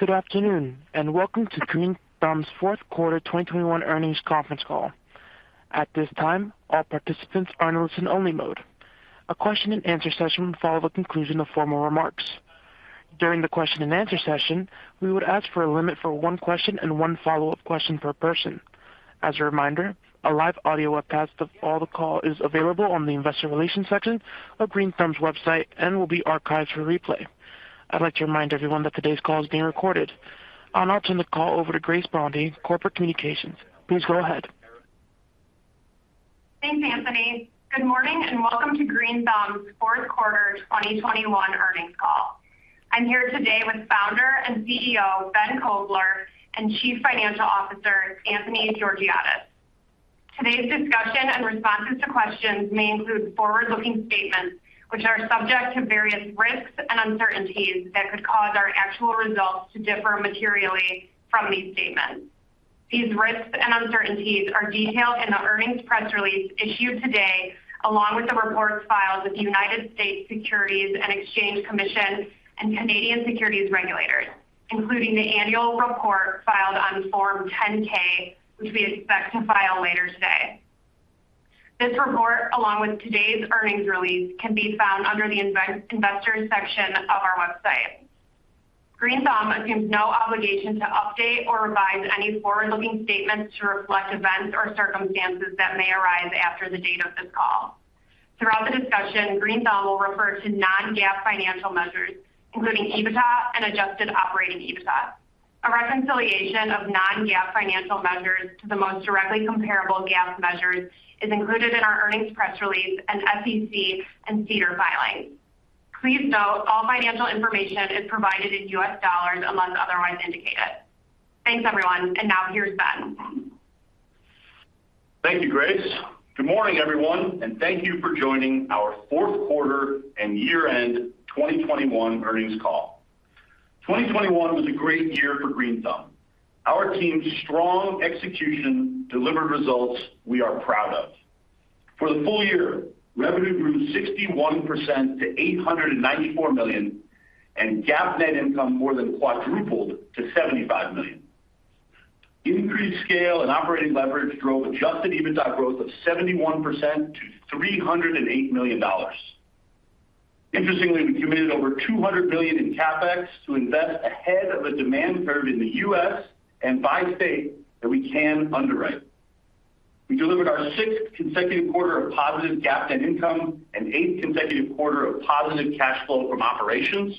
Good afternoon, and welcome to Green Thumb's fourth quarter 2021 earnings conference call. At this time, all participants are in listen-only mode. A question and answer session will follow the conclusion of formal remarks. During the question and answer session, we would ask for a limit for one question and one follow-up question per person. As a reminder, a live audio webcast of the call is available on the Investor Relations section of Green Thumb's website and will be archived for replay. I'd like to remind everyone that today's call is being recorded. I'll now turn the call over to Grace Bondy, Corporate Communications. Please go ahead. Thanks, Anthony. Good morning, and welcome to Green Thumb's fourth quarter 2021 earnings call. I'm here today with Founder and CEO Ben Kovler and Chief Financial Officer Anthony Georgiadis. Today's discussion and responses to questions may include forward-looking statements which are subject to various risks and uncertainties that could cause our actual results to differ materially from these statements. These risks and uncertainties are detailed in the earnings press release issued today, along with the reports filed with the United States Securities and Exchange Commission and Canadian securities regulators, including the annual report filed on Form 10-K, which we expect to file later today. This report, along with today's earnings release, can be found under the investors section of our website. Green Thumb assumes no obligation to update or revise any forward-looking statements to reflect events or circumstances that may arise after the date of this call. Throughout the discussion, Green Thumb will refer to non-GAAP financial measures, including EBITDA and adjusted operating EBITDA. A reconciliation of non-GAAP financial measures to the most directly comparable GAAP measures is included in our earnings press release and SEC and SEDAR filings. Please note, all financial information is provided in U.S. dollars unless otherwise indicated. Thanks, everyone. Now here's Ben. Thank you, Grace. Good morning, everyone, and thank you for joining our fourth quarter and year-end 2021 earnings call. 2021 was a great year for Green Thumb. Our team's strong execution delivered results we are proud of. For the full year, revenue grew 61% to $894 million, and GAAP net income more than quadrupled to $75 million. Increased scale and operating leverage drove adjusted EBITDA growth of 71% to $308 million. Interestingly, we committed over $200 million in CapEx to invest ahead of a demand curve in the U.S. and by state that we can underwrite. We delivered our sixth consecutive quarter of positive GAAP net income and eighth consecutive quarter of positive cash flow from operations.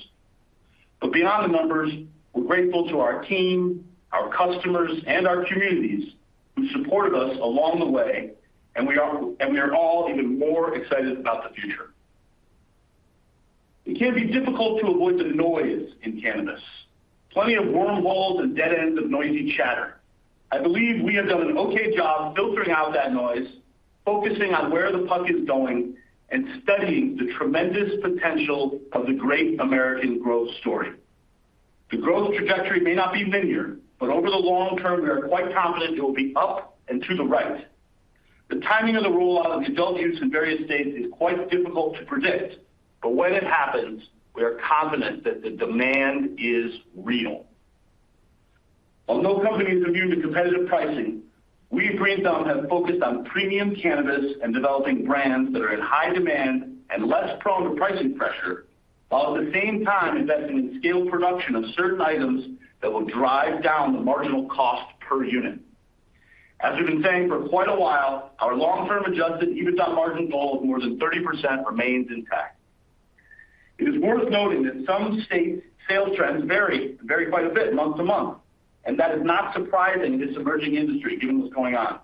Beyond the numbers, we're grateful to our team, our customers, and our communities who supported us along the way, and we are all even more excited about the future. It can be difficult to avoid the noise in cannabis. Plenty of wormholes and dead ends of noisy chatter. I believe we have done an okay job filtering out that noise, focusing on where the puck is going, and studying the tremendous potential of the great American growth story. The growth trajectory may not be linear, but over the long term, we are quite confident it will be up and to the right. The timing of the rollout of adult use in various states is quite difficult to predict, but when it happens, we are confident that the demand is real. While no company is immune to competitive pricing, we at Green Thumb have focused on premium cannabis and developing brands that are in high demand and less prone to pricing pressure, while at the same time investing in scaled production of certain items that will drive down the marginal cost per unit. As we've been saying for quite a while, our long-term adjusted EBITDA margin goal of more than 30% remains intact. It is worth noting that some state sales trends vary, and vary quite a bit month to month, and that is not surprising in this emerging industry, given what's going on.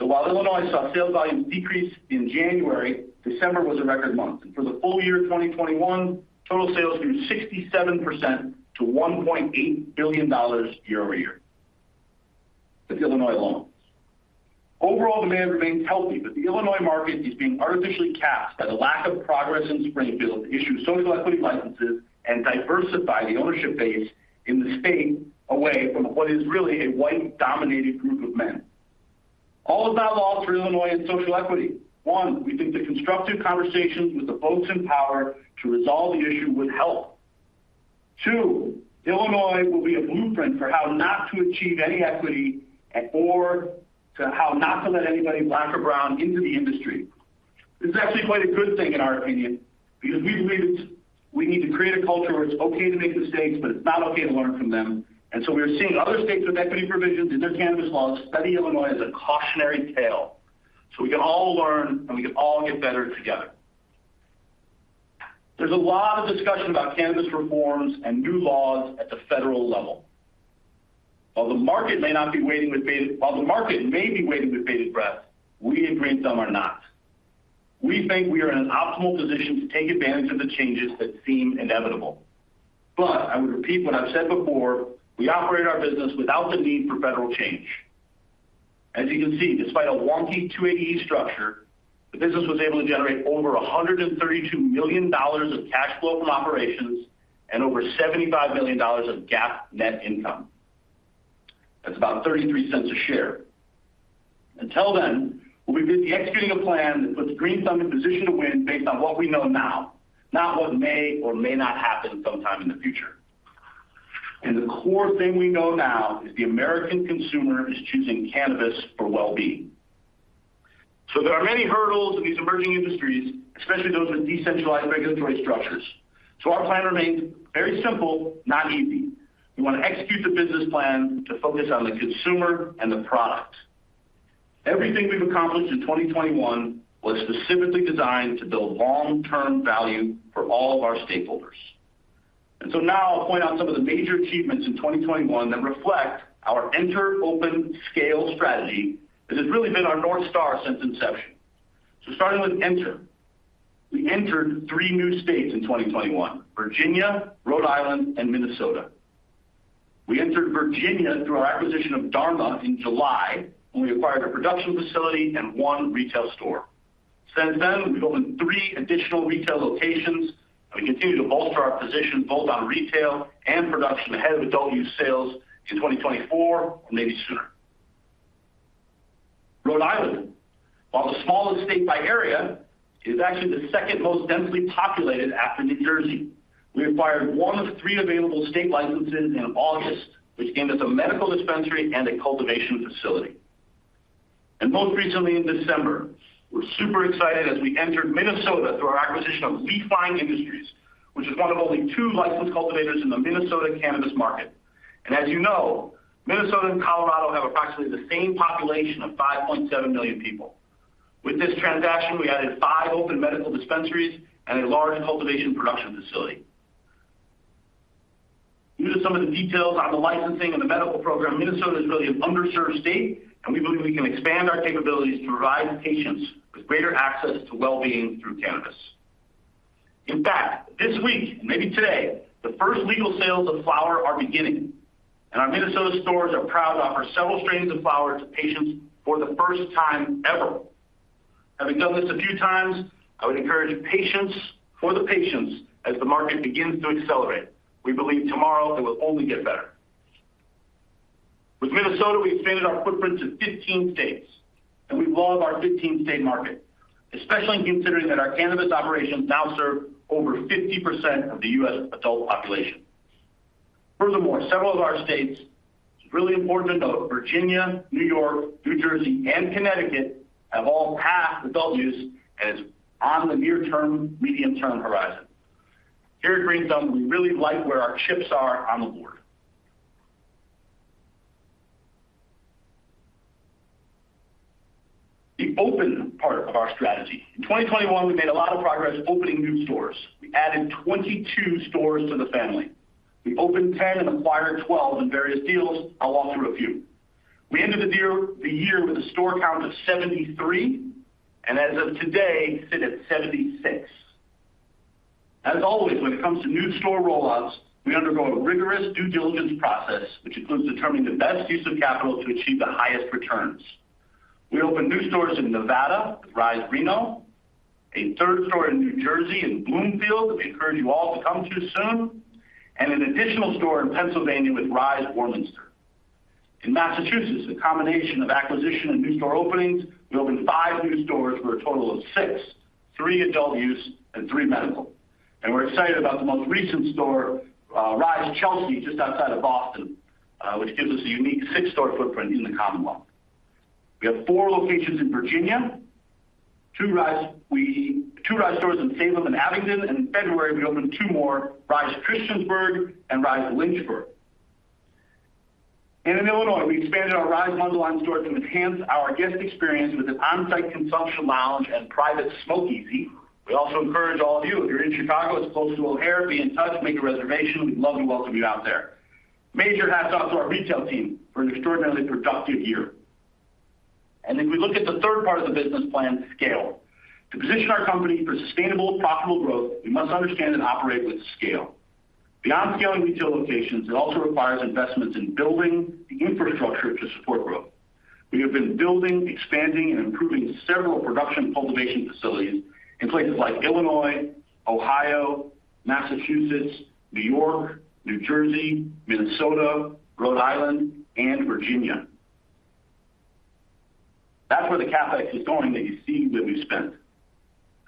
While Illinois saw sales volumes decrease in January, December was a record month. For the full year 2021, total sales grew 67% to $1.8 billion year-over-year. That's Illinois alone. Overall, demand remains healthy, but the Illinois market is being artificially capped by the lack of progress in Springfield to issue social equity licenses and diversify the ownership base in the state away from what is really a white-dominated group of men. All is not lost for Illinois and social equity. One, we think the constructive conversations with the folks in power to resolve the issue would help. Two, Illinois will be a blueprint for how not to achieve any equity at or to how not to let anybody black or brown into the industry. This is actually quite a good thing in our opinion, because we believe we need to create a culture where it's okay to make mistakes, but it's not okay to learn from them. We are seeing other states with equity provisions in their cannabis laws study Illinois as a cautionary tale, so we can all learn and we can all get better together. There's a lot of discussion about cannabis reforms and new laws at the federal level. While the market may be waiting with bated breath, we at Green Thumb are not. We think we are in an optimal position to take advantage of the changes that seem inevitable. I would repeat what I've said before, we operate our business without the need for federal change. As you can see, despite a wonky 280E structure, the business was able to generate over $132 million of cash flow from operations and over $75 million of GAAP net income. That's about $0.33 a share. Until then, we'll be executing a plan that puts Green Thumb in position to win based on what we know now, not what may or may not happen sometime in the future. The core thing we know now is the American consumer is choosing cannabis for well-being. There are many hurdles in these emerging industries, especially those with decentralized regulatory structures. Our plan remains very simple, not easy. We want to execute the business plan to focus on the consumer and the product. Everything we've accomplished in 2021 was specifically designed to build long-term value for all of our stakeholders. Now I'll point out some of the major achievements in 2021 that reflect our Enter, Open, Scale strategy that has really been our North Star since inception. Starting with Enter. We entered three new states in 2021, Virginia, Rhode Island and Minnesota. We entered Virginia through our acquisition of Dharma in July, when we acquired a production facility and one retail store. Since then, we've opened three additional retail locations, and we continue to bolster our position both on retail and production ahead of adult use sales in 2024, or maybe sooner. Rhode Island, while the smallest state by area, is actually the second most densely populated after New Jersey. We acquired one of three available state licenses in August, which came with a medical dispensary and a cultivation facility. Most recently in December, we're super excited as we entered Minnesota through our acquisition of LeafLine Industries, which is one of only two licensed cultivators in the Minnesota cannabis market. As you know, Minnesota and Colorado have approximately the same population of 5.7 million people. With this transaction, we added five open medical dispensaries and a large cultivation production facility. Due to some of the details on the licensing and the medical program, Minnesota is really an underserved state, and we believe we can expand our capabilities to provide patients with greater access to well-being through cannabis. In fact, this week, maybe today, the first legal sales of flower are beginning, and our Minnesota stores are proud to offer several strains of flower to patients for the first time ever. Having done this a few times, I would encourage patience for the patients as the market begins to accelerate. We believe tomorrow it will only get better. With Minnesota, we expanded our footprint to 15 states, and we love our 15-state market, especially considering that our cannabis operations now serve over 50% of the U.S. adult population. Furthermore, several of our states, it's really important to note, Virginia, New York, New Jersey and Connecticut have all passed adult use and it's on the near-term, medium-term horizon. Here at Green Thumb, we really like where our chips are on the board. The Open part of our strategy. In 2021, we made a lot of progress opening new stores. We added 22 stores to the family. We opened 10 and acquired 12 in various deals. I'll walk through a few. We ended the year with a store count of 73, and as of today, sit at 76. As always, when it comes to new store rollouts, we undergo a rigorous due diligence process, which includes determining the best use of capital to achieve the highest returns. We opened new stores in Nevada with RISE Reno, a third store in New Jersey, in Bloomfield, which we encourage you all to come to soon, and an additional store in Pennsylvania with RISE Warminster. In Massachusetts, a combination of acquisition and new store openings, we opened five new stores for a total of six, three adult use and three medical. We're excited about the most recent store, RISE Chelsea, just outside of Boston, which gives us a unique six-store footprint in the Commonwealth. We have four locations in Virginia. Two RISE stores in Salem and Abingdon. In February, we opened two more, RISE Christiansburg and RISE Lynchburg. In Illinois, we expanded our RISE Mundelein store to enhance our guest experience with an on-site consumption lounge and private smokeasy. We also encourage all of you, if you're in Chicago, it's close to O'Hare, be in touch, make a reservation. We'd love to welcome you out there. Major hats off to our retail team for an extraordinarily productive year. If we look at the third part of the business plan, Scale. To position our company for sustainable, profitable growth, we must understand and operate with scale. Beyond scaling retail locations, it also requires investments in building the infrastructure to support growth. We have been building, expanding and improving several production cultivation facilities in places like Illinois, Ohio, Massachusetts, New York, New Jersey, Minnesota, Rhode Island and Virginia. That's where the CapEx is going that you see that we've spent.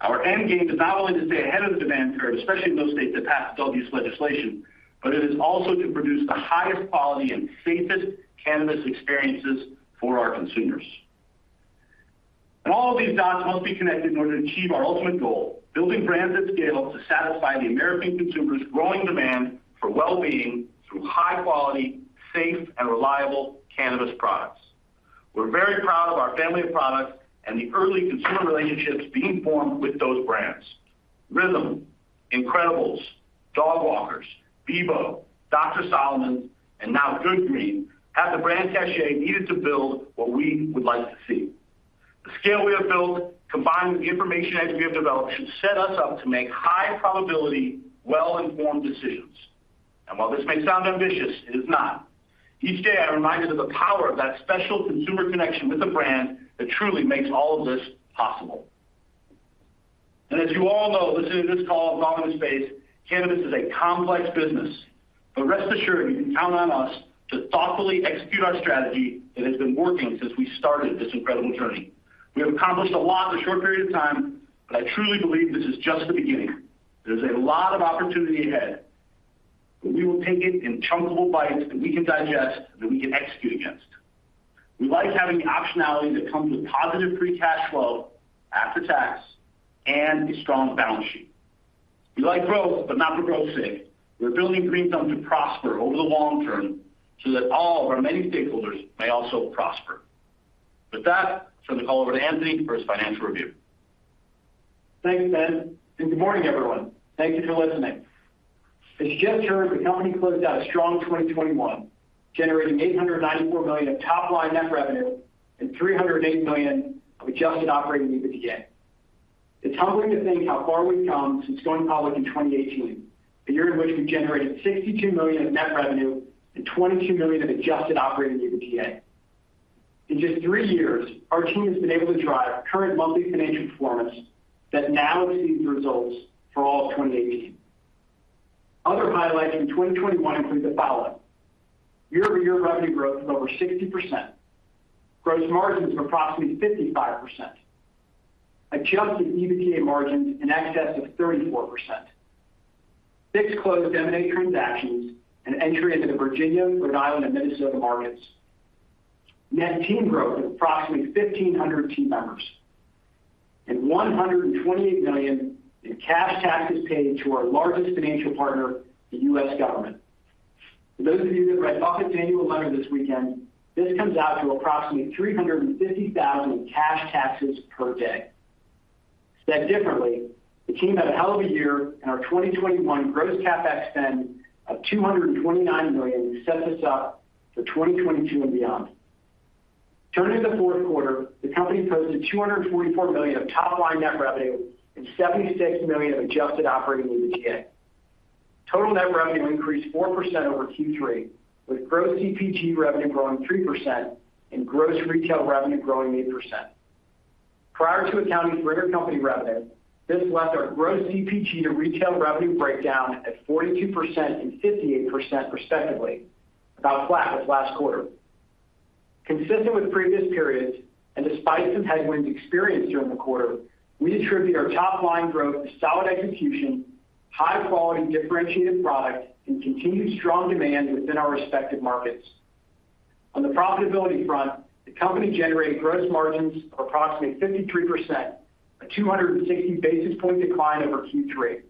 Our end game is not only to stay ahead of the demand curve, especially in those states that pass adult-use legislation, but it is also to produce the highest quality and safest cannabis experiences for our consumers. All of these dots must be connected in order to achieve our ultimate goal, building brands at scale to satisfy the American consumer's growing demand for well-being through high-quality, safe and reliable cannabis products. We're very proud of our family of products and the early consumer relationships being formed with those brands. RYTHM, incredibles, Dogwalkers, Beboe, Dr. Solomon's, and now Good Green, have the brand cachet needed to build what we would like to see. The scale we have built, combined with the information edge we have developed, should set us up to make high-probability, well-informed decisions. While this may sound ambitious, it is not. Each day, I'm reminded of the power of that special consumer connection with a brand that truly makes all of this possible. As you all know, listening to this call and following the space, cannabis is a complex business. Rest assured, you can count on us to thoughtfully execute our strategy that has been working since we started this incredible journey. We have accomplished a lot in a short period of time, but I truly believe this is just the beginning. There's a lot of opportunity ahead, but we will take it in chunkable bites that we can digest and that we can execute against. We like having the optionality that comes with positive free cash flow after tax and a strong balance sheet. We like growth, but not for growth's sake. We're building Green Thumb to prosper over the long term so that all of our many stakeholders may also prosper. With that, I turn the call over to Anthony for his financial review. Thanks, Ben, and good morning, everyone. Thank you for listening. As you just heard, the company closed out a strong 2021, generating $894 million of top line net revenue and $308 million of adjusted operating EBITDA. It's humbling to think how far we've come since going public in 2018, a year in which we generated $62 million of net revenue and $22 million of adjusted operating EBITDA. In just three years, our team has been able to drive current monthly financial performance that now exceeds the results for all of 2018. Other highlights in 2021 include the following. Year-over-year revenue growth of over 60%. Gross margins of approximately 55%. Adjusted EBITDA margins in excess of 34%. Six closed M&A transactions and entry into the Virginia, Rhode Island, and Minnesota markets. Net team growth of approximately 1,500 team members. $128 million in cash taxes paid to our largest financial partner, the U.S. government. For those of you that read Buffett's annual letter this weekend, this comes out to approximately $350,000 in cash taxes per day. Said differently, the team had a hell of a year, and our 2021 gross CapEx spend of $229 million will set us up for 2022 and beyond. Turning to the fourth quarter, the company posted $244 million of top-line net revenue and $76 million of adjusted operating EBITDA. Total net revenue increased 4% over Q3, with gross CPG revenue growing 3% and gross retail revenue growing 8%. Prior to accounting for intercompany revenue, this left our gross CPG to retail revenue breakdown at 42% and 58% respectively, about flat with last quarter. Consistent with previous periods, despite some headwinds experienced during the quarter, we attribute our top-line growth to solid execution, high-quality differentiated product, and continued strong demand within our respective markets. On the profitability front, the company generated gross margins of approximately 53%, a 260 basis point decline over Q3.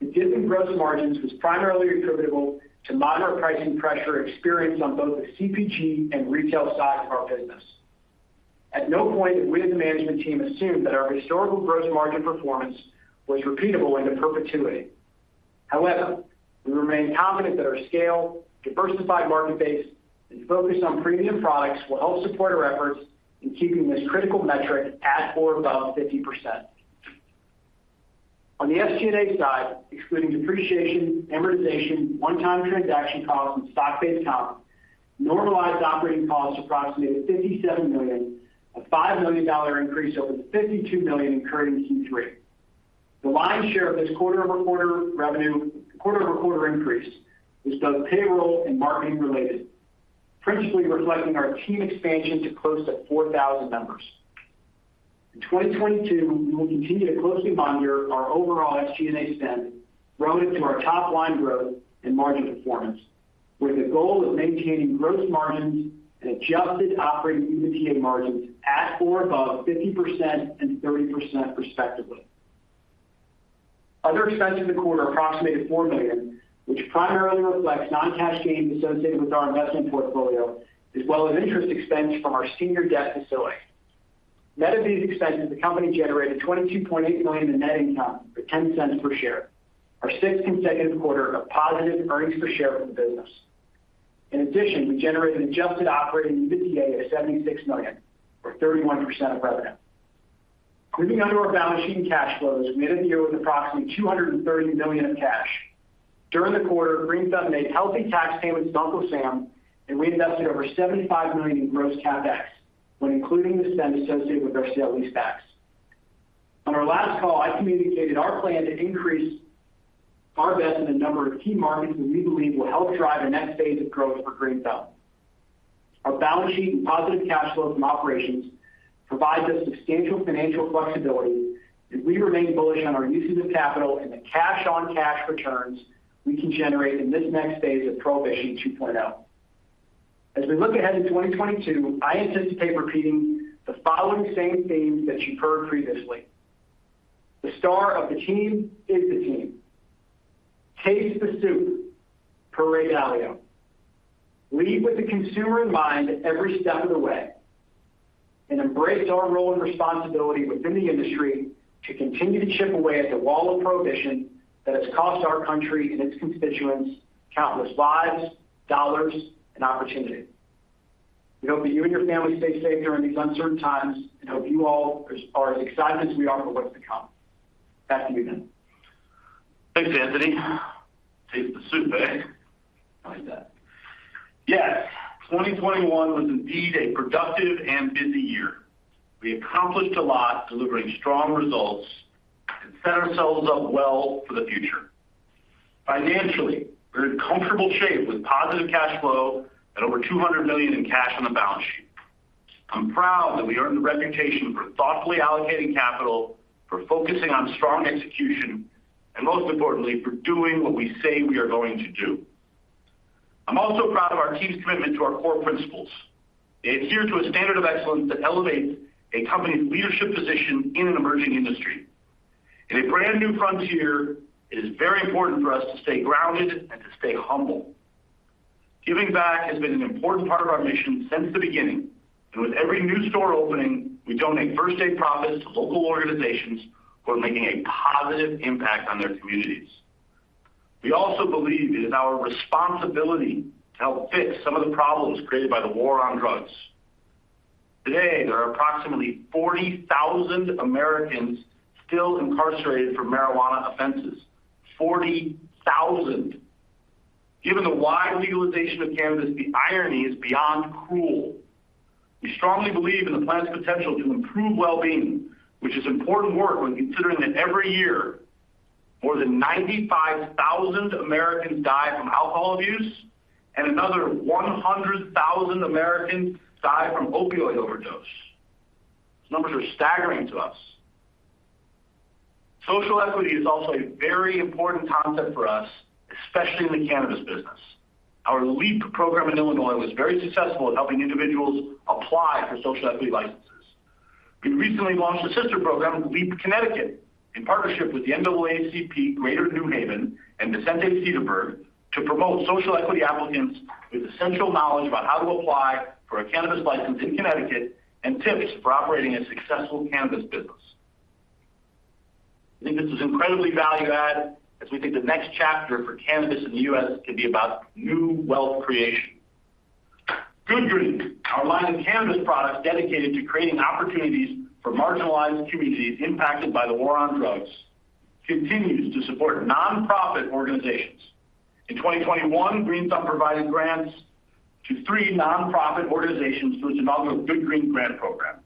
The dip in gross margins was primarily attributable to moderate pricing pressure experienced on both the CPG and retail side of our business. At no point did we as a management team assume that our historical gross margin performance was repeatable into perpetuity. However, we remain confident that our scale, diversified market base, and focus on premium products will help support our efforts in keeping this critical metric at or above 50%. On the SG&A side, excluding depreciation, amortization, one-time transaction costs, and stock-based comp, normalized operating costs approximated $57 million, a $5 million increase over the $52 million incurred in Q3. The lion's share of this quarter-over-quarter increase is both payroll and marketing related, principally reflecting our team expansion to close to 4,000 members. In 2022, we will continue to closely monitor our overall SG&A spend relative to our top-line growth and margin performance, with the goal of maintaining gross margins and adjusted operating EBITDA margins at or above 50% and 30% respectively. [Other expenses] in the quarter approximated $4 million, which primarily reflects non-cash gains associated with our investment portfolio, as well as interest expense from our senior debt facility. Net of these expenses, the company generated $22.8 million in net income for $0.10 per share, our sixth consecutive quarter of positive earnings per share for the business. In addition, we generated adjusted operating EBITDA of $76 million, or 31% of revenue. Moving on to our balance sheet and cash flows, we ended the year with approximately $230 million of cash. During the quarter, Green Thumb made healthy tax payments to Uncle Sam, and we invested over $75 million in gross CapEx, when including the spend associated with our sale leasebacks. On our last call, I communicated our plan to increase our investment in a number of key markets that we believe will help drive the next phase of growth for Green Thumb. Our balance sheet and positive cash flow from operations provides us substantial financial flexibility, and we remain bullish on our uses of capital and the cash-on-cash returns we can generate in this next phase of Prohibition 2.0. As we look ahead to 2022, I anticipate repeating the following same themes that you've heard previously. The star of the team is the team. Chase the truth, per Ray Dalio. Lead with the consumer in mind at every step of the way. Embrace our role and responsibility within the industry to continue to chip away at the wall of prohibition that has cost our country and its constituents countless lives, dollars, and opportunity. We hope that you and your family stay safe during these uncertain times and hope you all are as excited as we are for what's to come. Back to you, Ben. Thanks, Anthony. Chase the truth, eh? I like that. Yes, 2021 was indeed a productive and busy year. We accomplished a lot, delivering strong results and set ourselves up well for the future. Financially, we're in comfortable shape with positive cash flow and over $200 million in cash on the balance sheet. I'm proud that we earned the reputation for thoughtfully allocating capital, for focusing on strong execution, and most importantly, for doing what we say we are going to do. I'm also proud of our team's commitment to our core principles. They adhere to a standard of excellence that elevates a company's leadership position in an emerging industry. In a brand-new frontier, it is very important for us to stay grounded and to stay humble. Giving back has been an important part of our mission since the beginning, and with every new store opening, we donate first-day profits to local organizations who are making a positive impact on their communities. We also believe it is our responsibility to help fix some of the problems created by the War on Drugs. Today, there are approximately 40,000 Americans still incarcerated for marijuana offenses. 40,000. Given the wide legalization of cannabis, the irony is beyond cruel. We strongly believe in the plant's potential to improve well-being, which is important work when considering that every year more than 95,000 Americans die from alcohol abuse and another 100,000 Americans die from opioid overdose. Those numbers are staggering to us. Social equity is also a very important concept for us, especially in the cannabis business. Our LEAP program in Illinois was very successful at helping individuals apply for social equity licenses. We recently launched a sister program, LEAP Connecticut, in partnership with the NAACP Greater New Haven and Vicente Sederberg to promote social equity applicants with essential knowledge about how to apply for a cannabis license in Connecticut and tips for operating a successful cannabis business. I think this is incredibly value-add as we think the next chapter for cannabis in the U.S. could be about new wealth creation. Good Green, our line of cannabis products dedicated to creating opportunities for marginalized communities impacted by the War on Drugs, continues to support nonprofit organizations. In 2021, Green Thumb provided grants to three nonprofit organizations through its inaugural Good Green Grant Program.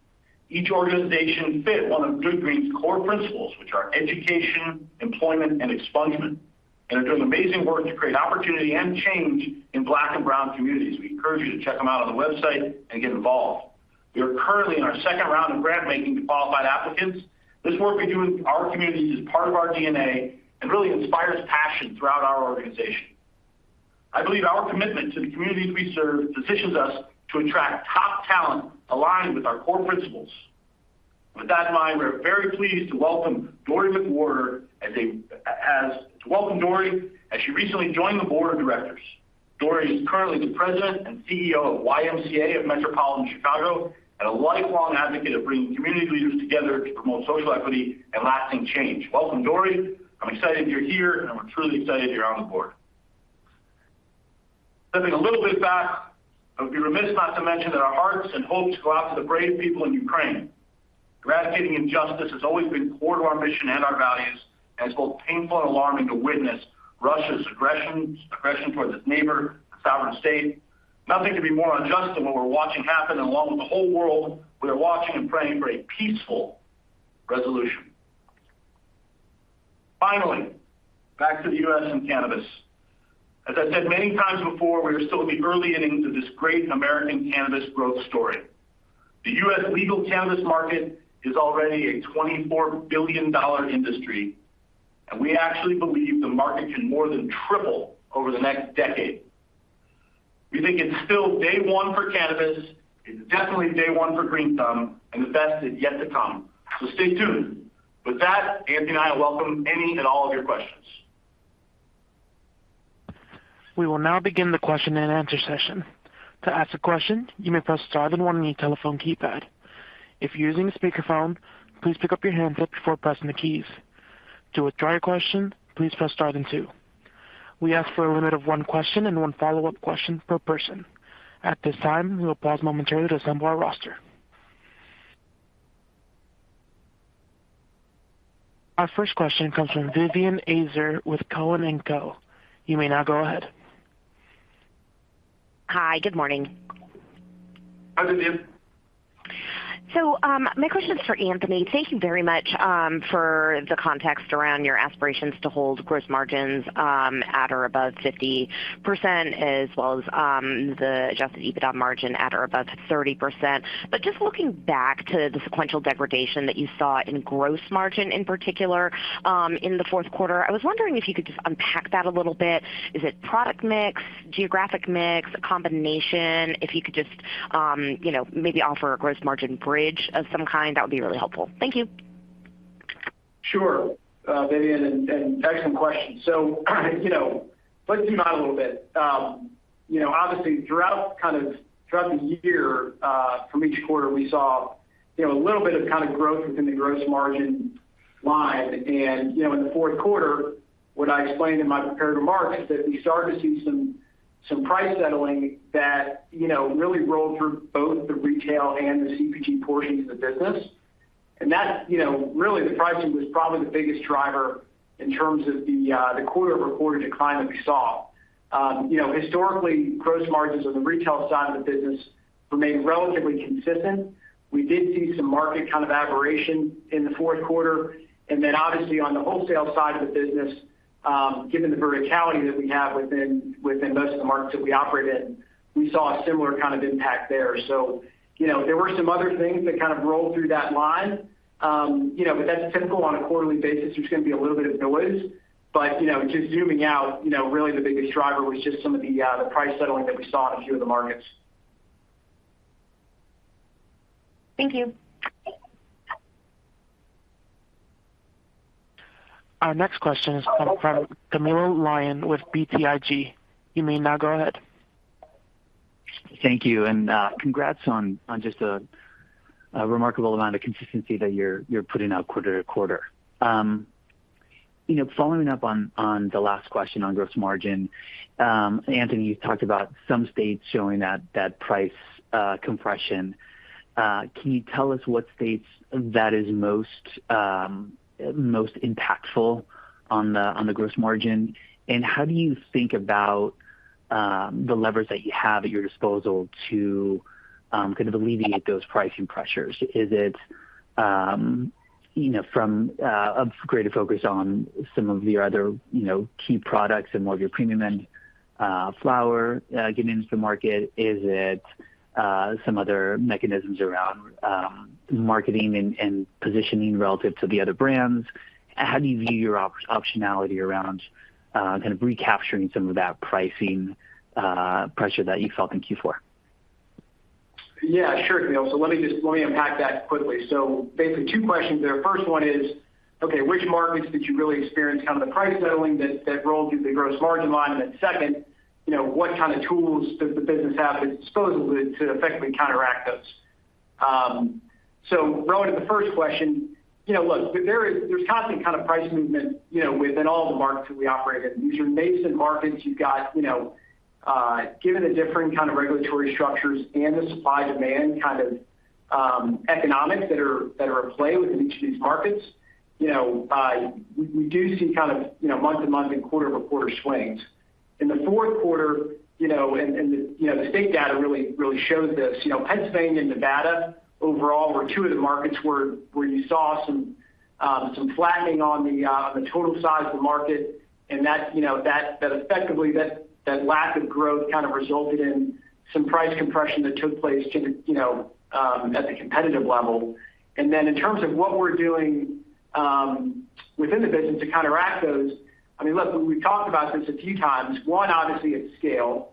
Each organization fit one of Good Green's core principles, which are education, employment, and expungement, and are doing amazing work to create opportunity and change in black and brown communities. We encourage you to check them out on the website and get involved. We are currently in our second round of grant-making to qualified applicants. This work we do in our communities is part of our DNA and really inspires passion throughout our organization. I believe our commitment to the communities we serve positions us to attract top talent aligned with our core principles. With that in mind, we are very pleased to welcome Dorri McWhorter as she recently joined the board of directors. Dorri is currently the President and CEO of YMCA of Metropolitan Chicago and a lifelong advocate of bringing community leaders together to promote social equity and lasting change. Welcome, Dorri. I'm excited you're here, and we're truly excited you're on the board. Stepping a little bit back, I would be remiss not to mention that our hearts and hopes go out to the brave people in Ukraine. Eradicating injustice has always been core to our mission and our values, and it's both painful and alarming to witness Russia's aggressions, aggression towards its neighbor, a sovereign state. Nothing could be more unjust than what we're watching happen, and along with the whole world, we are watching and praying for a peaceful resolution. Finally, back to the U.S. and cannabis. As I said many times before, we are still in the early innings of this great American cannabis growth story. The U.S. legal cannabis market is already a $24 billion industry, and we actually believe the market can more than triple over the next decade. We think it's still day one for cannabis. It's definitely day one for Green Thumb, and the best is yet to come. Stay tuned. With that, Anthony and I welcome any and all of your questions. We will now begin the question-and-answer session. To ask a question, you may press star then one on your telephone keypad. If you're using a speakerphone, please pick up your handset before pressing the keys. To withdraw your question, please press star then two. We ask for a limit of one question and one follow-up question per person. At this time, we will pause momentarily to assemble our roster. Our first question comes from Vivien Azer with Cowen & Co. You may now go ahead. Hi. Good morning. Hi, Vivien. My question is for Anthony. Thank you very much for the context around your aspirations to hold gross margins at or above 50% as well as the adjusted EBITDA margin at or above 30%. Just looking back to the sequential degradation that you saw in gross margin in particular in the fourth quarter, I was wondering if you could just unpack that a little bit. Is it product mix, geographic mix, a combination? If you could just you know maybe offer a gross margin bridge of some kind, that would be really helpful. Thank you. Sure, Vivien, an excellent question. You know, let's zoom out a little bit. You know, obviously, throughout the year from each quarter, we saw you know a little bit of kind of growth within the gross margin line. You know, in the fourth quarter, what I explained in my prepared remarks is that we started to see some price settling that you know really rolled through both the retail and the CPG portions of the business. That, you know, really the pricing was probably the biggest driver in terms of the quarter reported decline that we saw. You know, historically, gross margins on the retail side of the business remain relatively consistent. We did see some market kind of aberration in the fourth quarter. Obviously on the wholesale side of the business, given the verticality that we have within most of the markets that we operate in, we saw a similar kind of impact there. You know, there were some other things that kind of rolled through that line. You know, that's typical on a quarterly basis. There's gonna be a little bit of noise. You know, just zooming out, you know, really the biggest driver was just some of the price settling that we saw in a few of the markets. Thank you. Our next question is from Camilo Lyon with BTIG. You may now go ahead. Thank you, congrats on just a remarkable amount of consistency that you're putting out quarter to quarter. You know, following up on the last question on gross margin, Anthony, you talked about some states showing that price compression. Can you tell us what states that is most impactful on the gross margin? How do you think about the levers that you have at your disposal to kind of alleviate those pricing pressures? Is it, you know, from a greater focus on some of your other, you know, key products and more of your premium end flower getting into the market? Is it some other mechanisms around marketing and positioning relative to the other brands? How do you view your optionality around kind of recapturing some of that pricing pressure that you felt in Q4? Yeah, sure, Camilo. Let me unpack that quickly. Basically two questions there. First one is, okay, which markets did you really experience kind of the price settling that rolled through the gross margin line? And then second, you know, what kind of tools does the business have at its disposal to effectively counteract those? Going to the first question, you know, look, there is constant kind of price movement, you know, within all the markets that we operate in. These are nascent markets. You've got, you know, given the different kind of regulatory structures and the supply-demand kind of economics that are at play within each of these markets, you know, we do see kind of, you know, month to month and quarter to quarter swings. In the fourth quarter, you know, and the state data really shows this. You know, Pennsylvania and Nevada overall were two of the markets where you saw some flattening on the total size of the market, and that you know effectively lack of growth kind of resulted in some price compression that took place at the competitive level. In terms of what we're doing within the business to counteract those, I mean, look, we've talked about this a few times. One, obviously it's scale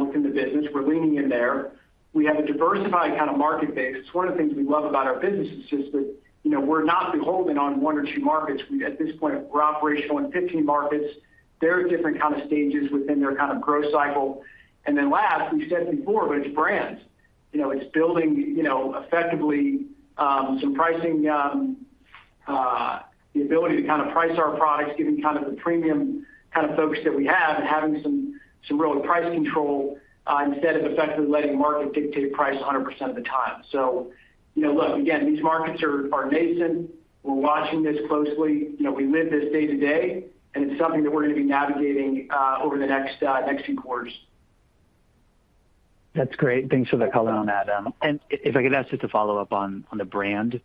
within the business. We're leaning in there. We have a diversified kind of market base. It's one of the things we love about our business is just that, you know, we're not beholden on one or two markets. At this point, we're operational in 15 markets. They're at different kind of stages within their kind of growth cycle. Last, we've said it before, but it's brands. You know, it's building, you know, effectively some pricing, the ability to kind of price our products given kind of the premium kind of focus that we have and having some real price control, instead of effectively letting market dictate price 100% of the time. You know, look, again, these markets are nascent. We're watching this closely. You know, we live this day to day, and it's something that we're gonna be navigating over the next few quarters. That's great. Thanks for the color on that. If I could ask just a follow-up on the brand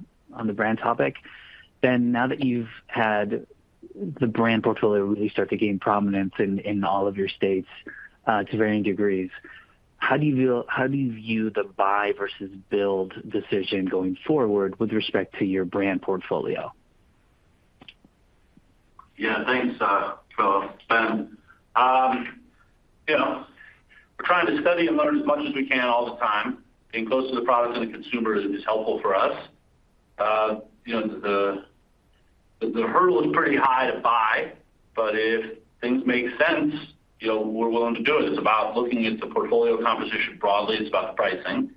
topic, Ben, now that you've had the brand portfolio really start to gain prominence in all of your states, to varying degrees, how do you view the buy versus build decision going forward with respect to your brand portfolio? Yeah, thanks, Camilo. You know, we're trying to study and learn as much as we can all the time. Being close to the products and the consumer is helpful for us. You know, the hurdle is pretty high to buy, but if things make sense, you know, we're willing to do it. It's about looking at the portfolio composition broadly. It's about the pricing.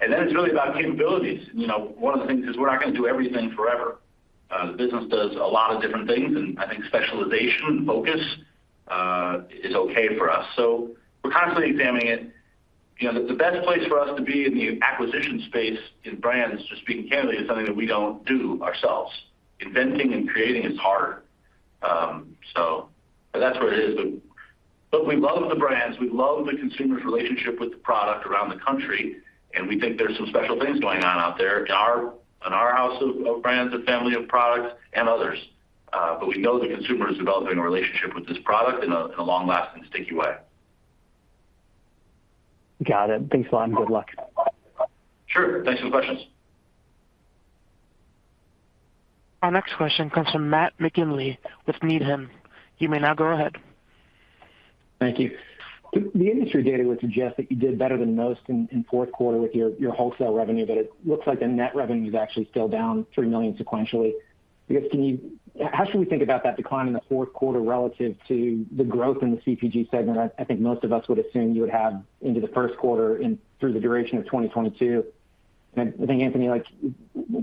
Then it's really about capabilities. You know, one of the things is we're not gonna do everything forever. The business does a lot of different things, and I think specialization and focus is okay for us. We're constantly examining it. You know, the best place for us to be in the acquisition space in brands, just speaking candidly, is something that we don't do ourselves. Inventing and creating is harder. That's what it is. We love the brands. We love the consumer's relationship with the product around the country, and we think there's some special things going on out there in our house of brands, the family of products and others. We know the consumer is developing a relationship with this product in a long-lasting, sticky way. Got it. Thanks a lot, and good luck. Sure. Thanks for the questions. Our next question comes from Matt McGinley with Needham. You may now go ahead. Thank you. The industry data would suggest that you did better than most in fourth quarter with your wholesale revenue, but it looks like the net revenue is actually still down $3 million sequentially. I guess, can you how should we think about that decline in the fourth quarter relative to the growth in the CPG segment? I think most of us would assume you would have into the first quarter through the duration of 2022. I think, Anthony, like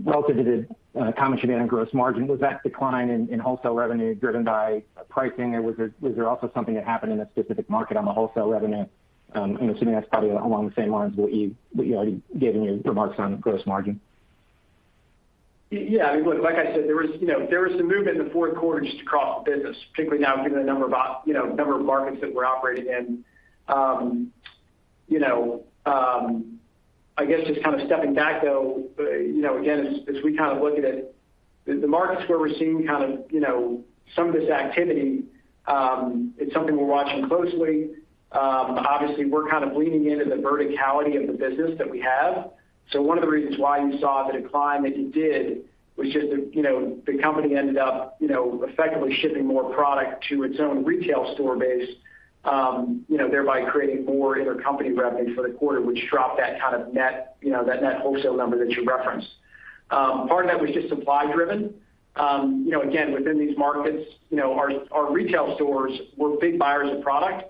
relative to the commentary on gross margin, was that decline in wholesale revenue driven by pricing, or was there also something that happened in a specific market on the wholesale revenue? I'm assuming that's probably along the same lines what you know you gave in your remarks on gross margin. Yeah, I mean, look, like I said, there was some movement in the fourth quarter just across the business, particularly now given the number of markets that we're operating in. I guess just kind of stepping back, though, again, as we kind of look at it, the markets where we're seeing kind of some of this activity, it's something we're watching closely. Obviously we're kind of leaning into the verticality of the business that we have. One of the reasons why you saw the decline that you did was just the, you know, the company ended up, you know, effectively shipping more product to its own retail store base, you know, thereby creating more intercompany revenue for the quarter, which dropped that kind of net, you know, that net wholesale number that you referenced. Part of that was just supply driven. You know, again, within these markets, you know, our retail stores were big buyers of product.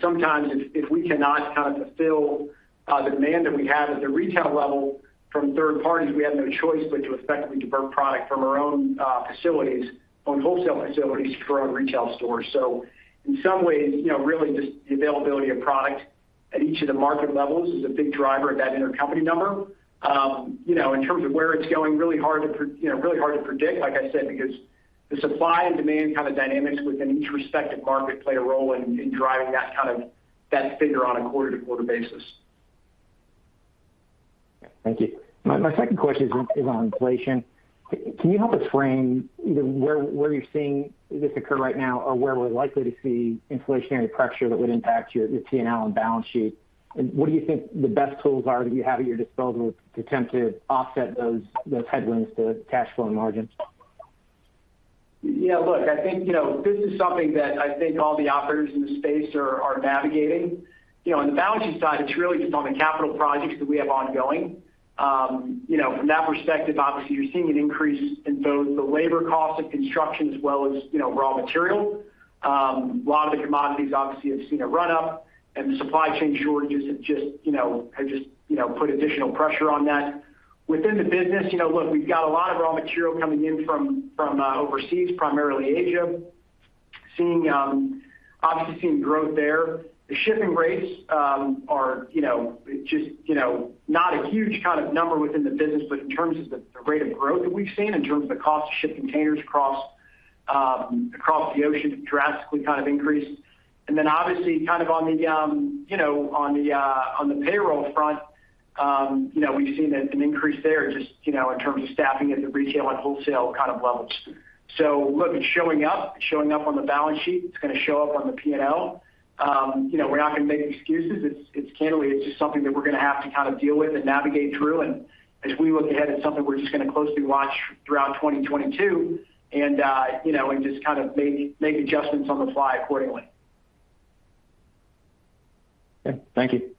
Sometimes if we cannot kind of fulfill the demand that we have at the retail level from third parties, we have no choice but to effectively divert product from our own facilities, from wholesale facilities to grow our retail stores. In some ways, you know, really just the availability of product at each of the market levels is a big driver of that intercompany number. You know, in terms of where it's going, really hard to predict, like I said, because the supply and demand kind of dynamics within each respective market play a role in driving that kind of, that figure on a quarter-to-quarter basis. Thank you. My second question is on inflation. Can you help us frame, you know, where you're seeing this occur right now or where we're likely to see inflationary pressure that would impact your P&L and balance sheet? What do you think the best tools are that you have at your disposal to attempt to offset those headwinds to cash flow and margins? Yeah, look, I think, you know, this is something that I think all the operators in the space are navigating. You know, on the balance sheet side, it's really just on the capital projects that we have ongoing. You know, from that perspective, obviously, you're seeing an increase in both the labor cost of construction as well as, you know, raw material. A lot of the commodities obviously have seen a run up, and the supply chain shortages have just put additional pressure on that. Within the business, you know, look, we've got a lot of raw material coming in from overseas, primarily Asia. Seeing growth there. The shipping rates, you know, just, you know, not a huge kind of number within the business, but in terms of the rate of growth that we've seen in terms of the cost to ship containers across the ocean have drastically kind of increased. Obviously kind of on the payroll front, you know, we've seen an increase there just, you know, in terms of staffing at the retail and wholesale kind of levels. Look, it's showing up. It's showing up on the balance sheet. It's gonna show up on the P&L. You know, we're not gonna make excuses. It's candidly just something that we're gonna have to kind of deal with and navigate through. As we look ahead, it's something we're just gonna closely watch throughout 2022 and, you know, and just kind of make adjustments on the fly accordingly. Okay. Thank you.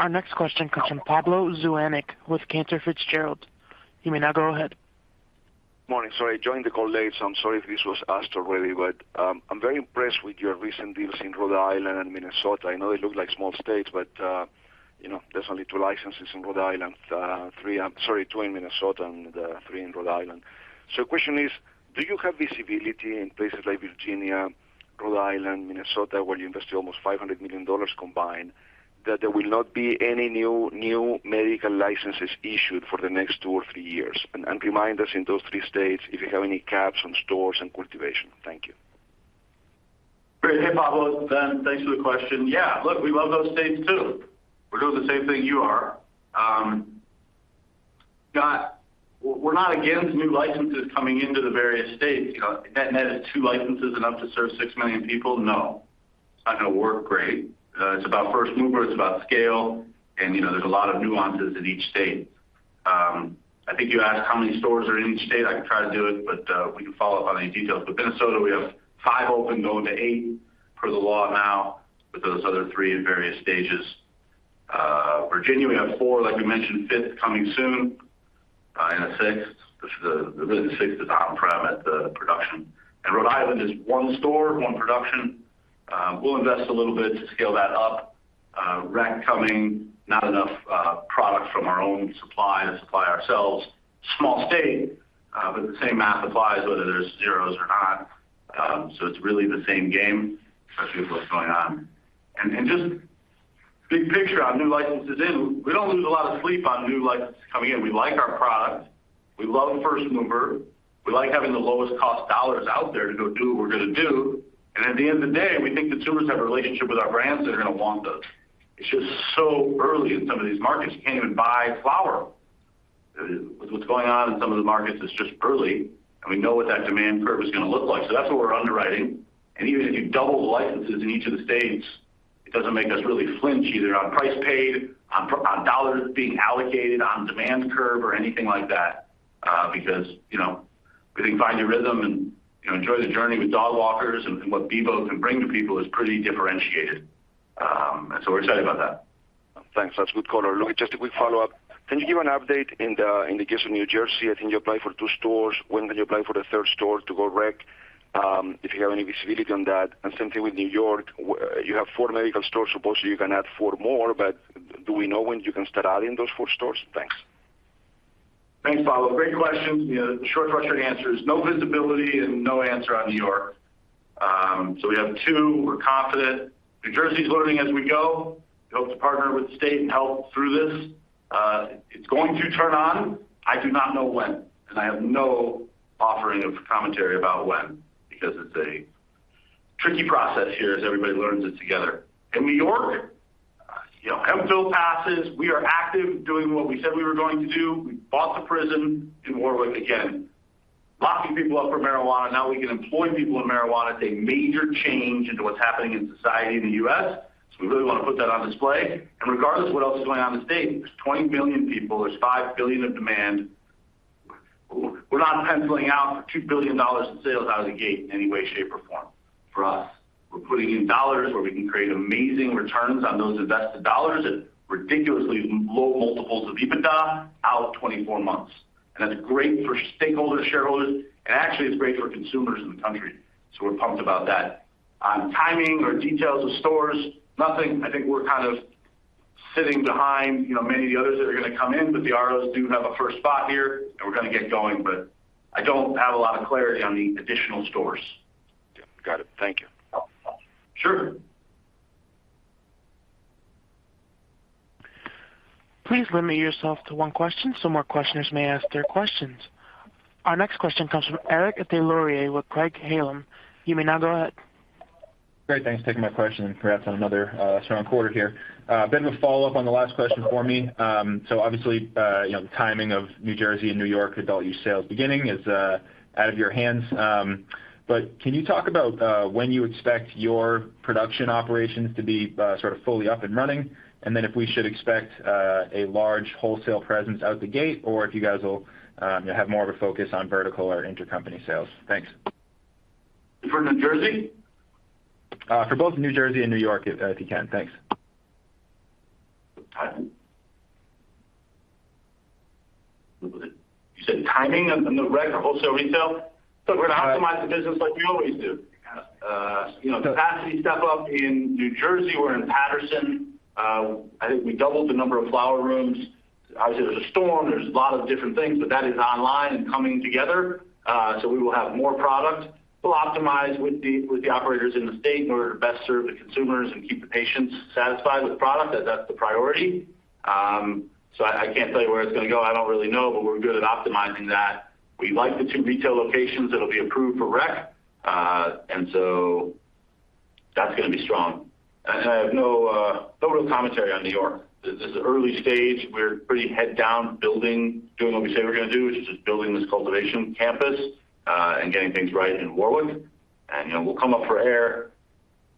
Our next question comes from Pablo Zuanic with Cantor Fitzgerald. You may now go ahead. Morning. Sorry, I joined the call late, so I'm sorry if this was asked already, but I'm very impressed with your recent deals in Rhode Island and Minnesota. I know they look like small states, but you know, there's only two licenses in Rhode Island, two in Minnesota and three in Rhode Island. Question is, do you have visibility in places like Virginia, Rhode Island, Minnesota, where you invested almost $500 million combined, that there will not be any new medical licenses issued for the next two or three years? Remind us in those three states if you have any caps on stores and cultivation. Thank you. Great. Hey, Pablo. It's Ben. Thanks for the question. Yeah. Look, we love those states too. We're doing the same thing you are. We're not against new licenses coming into the various states. You know, net is two licenses enough to serve 6 million people? No. It's not gonna work great. It's about first mover, it's about scale, and, you know, there's a lot of nuances in each state. I think you asked how many stores are in each state. I can try to do it, but we can follow up on any details. Minnesota, we have five open, going to eight per the law now with those other three in various stages. Virginia, we have 4, like we mentioned, fifth coming soon, and a sixth. The sixth is on prem at the production. Rhode Island is one store, one production. We'll invest a little bit to scale that up. Rec coming, not enough product from our own supply to supply ourselves. Small state, but the same math applies whether there's zeros or not. It's really the same game as to what's going on. Just big picture on new licenses in, we don't lose a lot of sleep on new licenses coming in. We like our product. We love first mover. We like having the lowest cost dollars out there to go do what we're gonna do. At the end of the day, we think consumers have a relationship with our brands, they're gonna want those. It's just so early in some of these markets. You can't even buy flower. With what's going on in some of the markets, it's just early, and we know what that demand curve is gonna look like. That's what we're underwriting. Even if you double the licenses in each of the states, it doesn't make us really flinch either on price paid, on dollars being allocated, on demand curve or anything like that, because, you know, we think find your RYTHM and, you know, enjoy the journey with Dogwalkers and what Beboe can bring to people is pretty differentiated. We're excited about that. Thanks. That's good color. Look, just a quick follow-up. Can you give an update in the case of New Jersey? I think you applied for two stores. When did you apply for the third store to go rec, if you have any visibility on that? Same thing with New York. You have four medical stores. So you can add four more, but do we know when you can start adding those four stores? Thanks. Thanks, Pablo. Great questions. You know, the short version answer is no visibility and no answer on New York. So we have two. We're confident. New Jersey is learning as we go. We hope to partner with the state and help through this. It's going to turn on. I do not know when, and I have no offering of commentary about when, because it's a tricky process here as everybody learns it together. In New York, you know, hemp bill passes. We are active doing what we said we were going to do. We bought the prison in Warwick. Again, locking people up for marijuana, now we can employ people in marijuana. It's a major change into what's happening in society in the U.S., so we really want to put that on display. Regardless of what else is going on in the state, there's 20 billion people, there's $5 billion of demand. We're not penciling out for $2 billion in sales out of the gate in any way, shape, or form. For us, we're putting in dollars where we can create amazing returns on those invested dollars at ridiculously low multiples of EBITDA out 24 months. That's great for stakeholders, shareholders, and actually it's great for consumers in the country. We're pumped about that. On timing or details of stores, nothing. I think we're kind of sitting behind, you know, many of the others that are going to come in, but the ROs do have a first spot here, and we're going to get going. I don't have a lot of clarity on the additional stores. Got it. Thank you. Sure. Please limit yourself to one question so more questioners may ask their questions. Our next question comes from Eric Des Lauriers with Craig-Hallum. You may now go ahead. Great. Thanks for taking my question. Congrats on another strong quarter here. Ben, a follow-up on the last question for me. So obviously, you know, the timing of New Jersey and New York adult-use sales beginning is out of your hands. But can you talk about when you expect your production operations to be sort of fully up and running? If we should expect a large wholesale presence out the gate, or if you guys will have more of a focus on vertical or intercompany sales. Thanks. For New Jersey? For both New Jersey and New York, if you can. Thanks. Timing. You said timing on the rec or wholesale retail? We're gonna optimize the business like we always do. You know, capacity step up in New Jersey. We're in Paterson. I think we doubled the number of flower rooms. Obviously, there's a storm, there's a lot of different things, but that is online and coming together. We will have more product. We'll optimize with the operators in the state in order to best serve the consumers and keep the patients satisfied with the product, as that's the priority. I can't tell you where it's gonna go. I don't really know, but we're good at optimizing that. We like the two retail locations that'll be approved for rec, and that's gonna be strong. I have no total commentary on New York. This is early stage. We're pretty head down building, doing what we say we're gonna do, which is just building this cultivation campus and getting things right in Warwick. You know, we'll come up for air.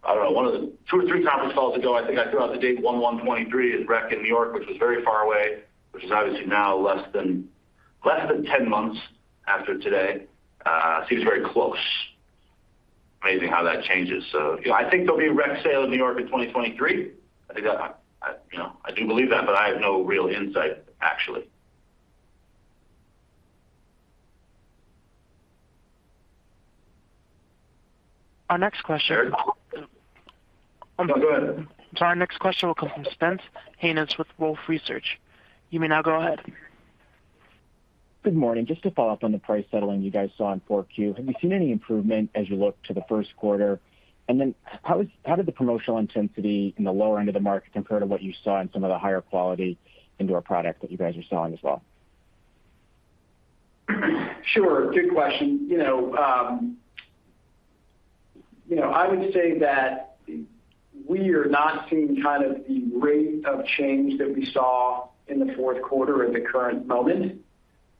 I don't know, one of the two or three conference calls ago, I think I threw out the date 1/1/2023 as rec in New York, which was very far away, which is obviously now less than 10 months after today. Seems very close. Amazing how that changes. You know, I think there'll be rec sale in New York in 2023. I think you know, I do believe that, but I have no real insight, actually. Our next question. No, go ahead. Sorry. Our next question will come from Spence Hanus with Wolfe Research. You may now go ahead. Good morning. Just to follow up on the price settling you guys saw in 4Q. Have you seen any improvement as you look to the first quarter? How did the promotional intensity in the lower end of the market compare to what you saw in some of the higher quality indoor product that you guys are selling as well? Sure. Good question. You know, you know, I would say that we are not seeing kind of the rate of change that we saw in the fourth quarter at the current moment.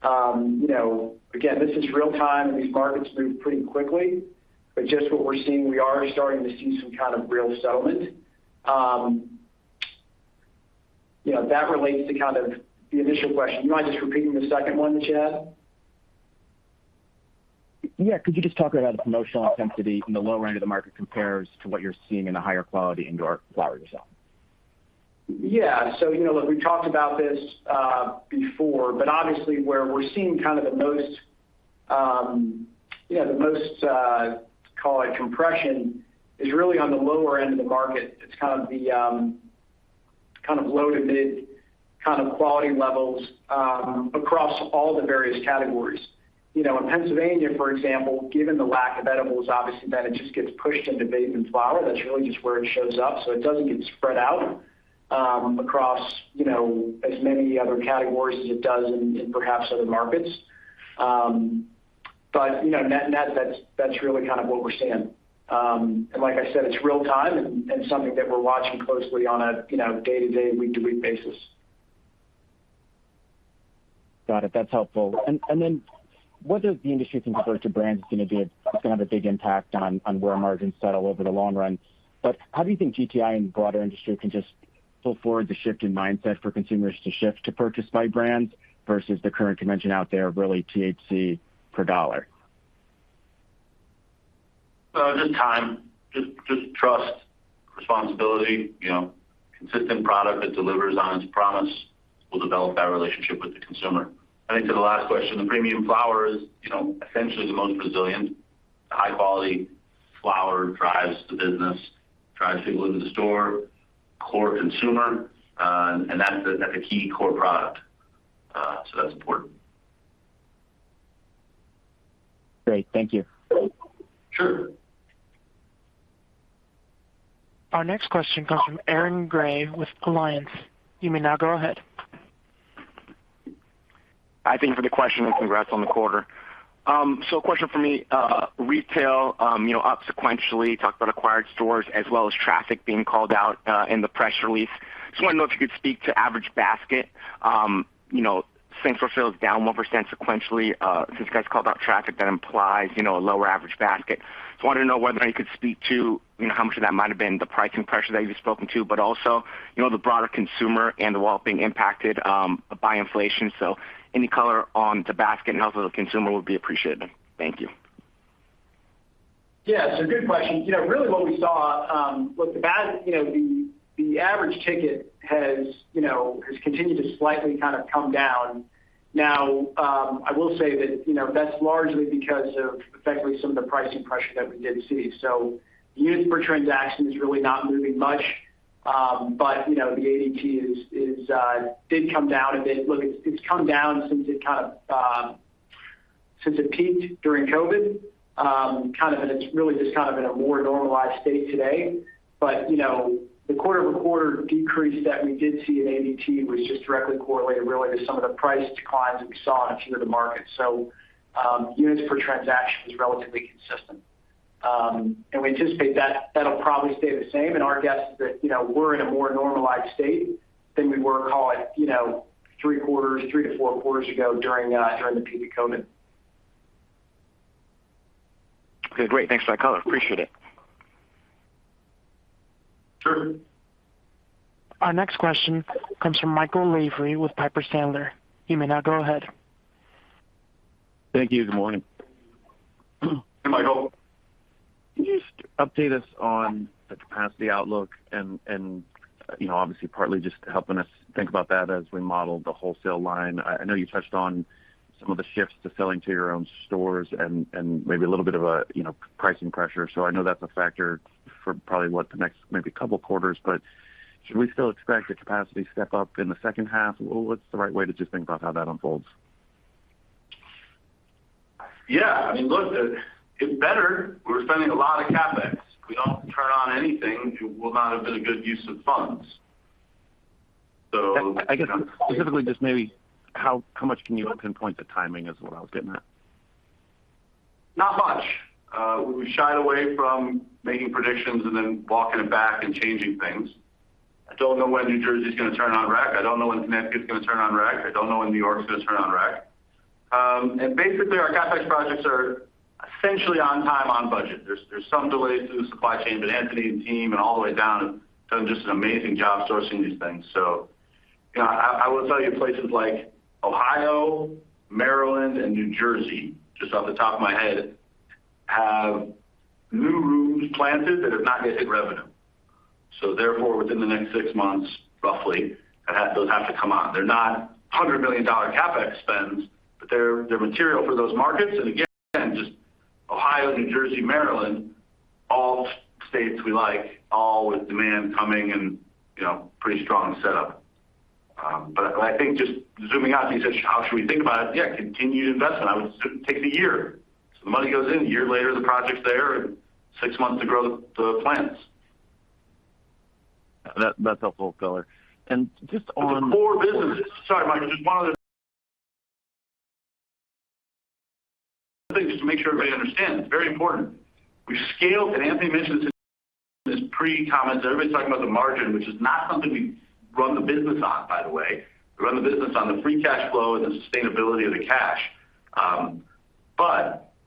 You know, again, this is real time, and these markets move pretty quickly. Just what we're seeing, we are starting to see some kind of real settlement. You know, that relates to kind of the initial question. Do you mind just repeating the second one that you had? Yeah. Could you just talk about how the promotional intensity in the lower end of the market compares to what you're seeing in the higher quality indoor flower you're selling? Yeah. You know, look, we've talked about this, before, but obviously where we're seeing kind of the most, you know, the most, call it compression is really on the lower end of the market. It's kind of the, kind of low to mid kind of quality levels, across all the various categories. You know, in Pennsylvania, for example, given the lack of edibles, obviously then it just gets pushed into vape and flower. That's really just where it shows up, so it doesn't get spread out, across, you know, as many other categories as it does in, perhaps other markets. You know, net, that's really kind of what we're seeing. Like I said, it's real time and, something that we're watching closely on a, you know, day-to-day, week-to-week basis. Got it. That's helpful. Whether the industry can convert to brands is gonna have a big impact on where our margins settle over the long run. How do you think GTI and the broader industry can just pull forward the shift in mindset for consumers to shift to purchase by brands versus the current convention out there of really THC per dollar? Just trust, responsibility. You know, consistent product that delivers on its promise will develop that relationship with the consumer. I think to the last question, the premium flower is, you know, essentially the most resilient. High quality flower drives the business, drives people into the store, core consumer, and that's a key core product. That's important. Great. Thank you. Sure. Our next question comes from Aaron Grey with Alliance. You may now go ahead. Hi. Thank you for the question, and congrats on the quarter. A question for me. Retail, you know, up sequentially, talked about acquired stores as well as traffic being called out in the press release. Just want to know if you could speak to average basket. You know, same-store sales down 1% sequentially. Since you guys called out traffic, that implies, you know, a lower average basket. Just wanted to know whether or not you could speak to, you know, how much of that might have been the pricing pressure that you've spoken to, but also, you know, the broader consumer and the wallet being impacted by inflation. Any color on the basket and health of the consumer would be appreciated. Thank you. Yeah. Good question. You know, really what we saw, look, the average ticket has continued to slightly kind of come down. Now, I will say that, you know, that's largely because of effectively some of the pricing pressure that we did see. Units per transaction is really not moving much, but you know, the ADT is did come down a bit. Look, it's come down since it peaked during COVID, really just kind of in a more normalized state today. You know, the quarter-over-quarter decrease that we did see in ADT was just directly correlated really to some of the price declines that we saw in a few of the markets. Units per transaction was relatively consistent. We anticipate that that'll probably stay the same. Our guess is that, you know, we're in a more normalized state than we were, call it, you know, three quarters, three to four quarters ago during the peak of COVID. Okay, great. Thanks for that color. Appreciate it. Sure. Our next question comes from Michael Lavery with Piper Sandler. You may now go ahead. Thank you. Good morning. Hey, Michael. Can you just update us on the capacity outlook and, you know, obviously partly just helping us think about that as we model the wholesale line. I know you touched on some of the shifts to selling to your own stores and maybe a little bit of a, you know, pricing pressure. I know that's a factor for probably, what, the next maybe couple quarters. Should we still expect a capacity step-up in the second half? What's the right way to just think about how that unfolds? Yeah. I mean, look, it better. We're spending a lot of CapEx. If we don't turn on anything, it will not have been a good use of funds. I guess specifically just maybe how much can you pinpoint the timing is what I was getting at. Not much. We shied away from making predictions and then walking it back and changing things. I don't know when New Jersey's gonna turn on rec. I don't know when Connecticut's gonna turn on rec. I don't know when New York's gonna turn on rec. Basically, our CapEx projects are essentially on time, on budget. There's some delays through the supply chain, but Anthony and team and all the way down have done just an amazing job sourcing these things. You know, I will tell you places like Ohio, Maryland, and New Jersey, just off the top of my head, have new rooms planted that have not yet hit revenue. Therefore, within the next six months, roughly, those have to come on. They're not $100 million CapEx spends, but they're material for those markets. Again, just Ohio, New Jersey, Maryland, all states we like, all with demand coming and, you know, pretty strong setup. But I think just zooming out, you said, how should we think about it? Yeah, continued investment. I would take the year. The money goes in, a year later, the project's there, and six months to grow the plants. That's helpful color. The core business. Sorry, Michael, just one other thing just to make sure everybody understands. Very important. We've scaled, and Anthony mentioned this in his pre-comments. Everybody's talking about the margin, which is not something we run the business on, by the way. We run the business on the free cash flow and the sustainability of the cash.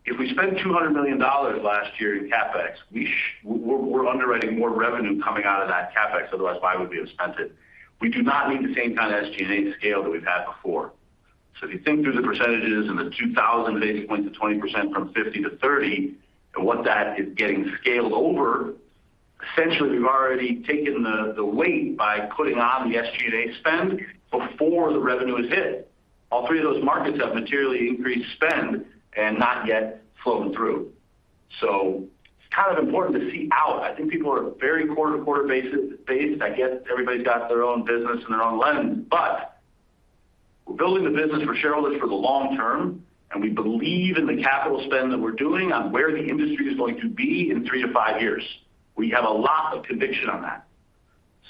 If we spend $200 million last year in CapEx, we're underwriting more revenue coming out of that CapEx. Otherwise, why would we have spent it? We do not need the same kind of SG&A scale that we've had before. If you think through the percentages and the 2,000 basis points to 20% from 50% to 30%, and what that is getting scaled over, essentially we've already taken the weight by putting on the SG&A spend before the revenue is hit. All three of those markets have materially increased spend and not yet flown through. It's kind of important to see out. I think people are very quarter-to-quarter basis-based. I get everybody's got their own business and their own lens. We're building the business for shareholders for the long term, and we believe in the capital spend that we're doing on where the industry is going to be in three to five years. We have a lot of conviction on that.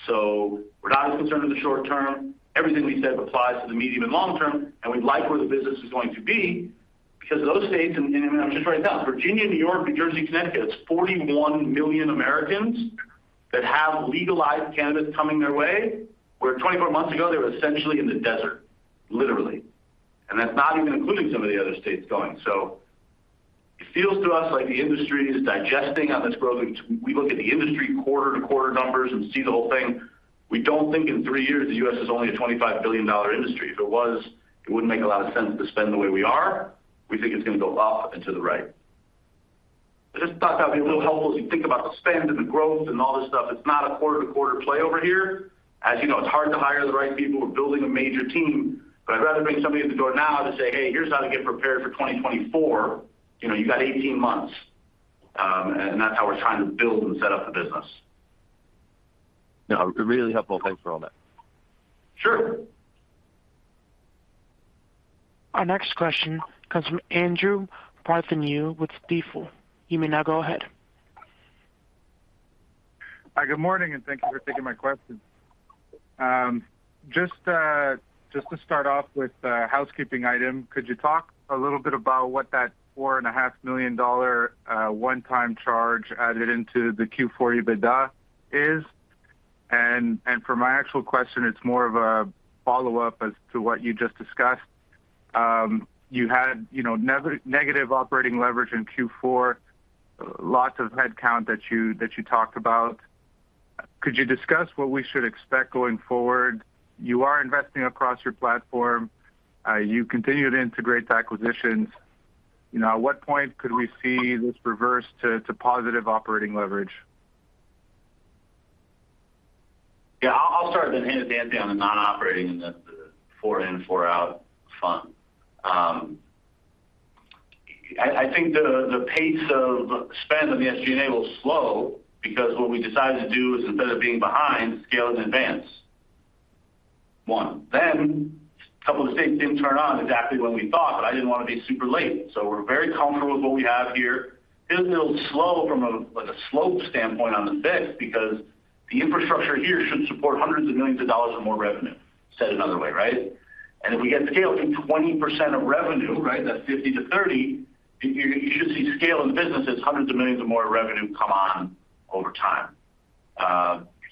We're not as concerned in the short term. Everything we said applies to the medium and long term, and we like where the business is going to be because those states, and I'm just writing it down. It's Virginia, New York, New Jersey, Connecticut. It's 41 million Americans that have legalized cannabis coming their way, where 24 months ago, they were essentially in the desert, literally. That's not even including some of the other states going. It feels to us like the industry is digesting on this growth. We look at the industry quarter-to-quarter numbers and see the whole thing. We don't think in three years the U.S. is only a $25 billion industry. If it was, it wouldn't make a lot of sense to spend the way we are. We think it's gonna go up and to the right. I just thought at would be a little helpful as you think about the spend and the growth and all this stuff. It's not a quarter-to-quarter play over here. As you know, it's hard to hire the right people. We're building a major team. I'd rather bring somebody in the door now to say, "Hey, here's how to get prepared for 2024. You know, you got 18 months." That's how we're trying to build and set up the business. No, really helpful. Thanks for all that. Sure. Our next question comes from Andrew Partheniou with Stifel. You may now go ahead. Hi, good morning, and thank you for taking my question. Just to start off with a housekeeping item, could you talk a little bit about what that $4.5 million one-time charge added into the Q4 EBITDA is? For my actual question, it's more of a follow-up as to what you just discussed. You had, you know, negative operating leverage in Q4, lots of headcount that you talked about. Could you discuss what we should expect going forward? You are investing across your platform. You continue to integrate the acquisitions. You know, at what point could we see this reverse to positive operating leverage? I'll start then hand it to Anthony on the non-operating and the four-in, four-out front. I think the pace of spend on the SG&A will slow because what we decided to do is instead of being behind, scale it in advance. Then a couple of the states didn't turn on exactly when we thought, but I didn't want to be super late. We're very comfortable with what we have here. Business will slow from a, like, a slope standpoint on the biz because the infrastructure here should support hundreds of millions of dollars or more revenue, said another way, right? If we get scale, I think 20% of revenue, right, that's 50% to 30%, you should see scale in the business as hundreds of millions or more of revenue come on over time.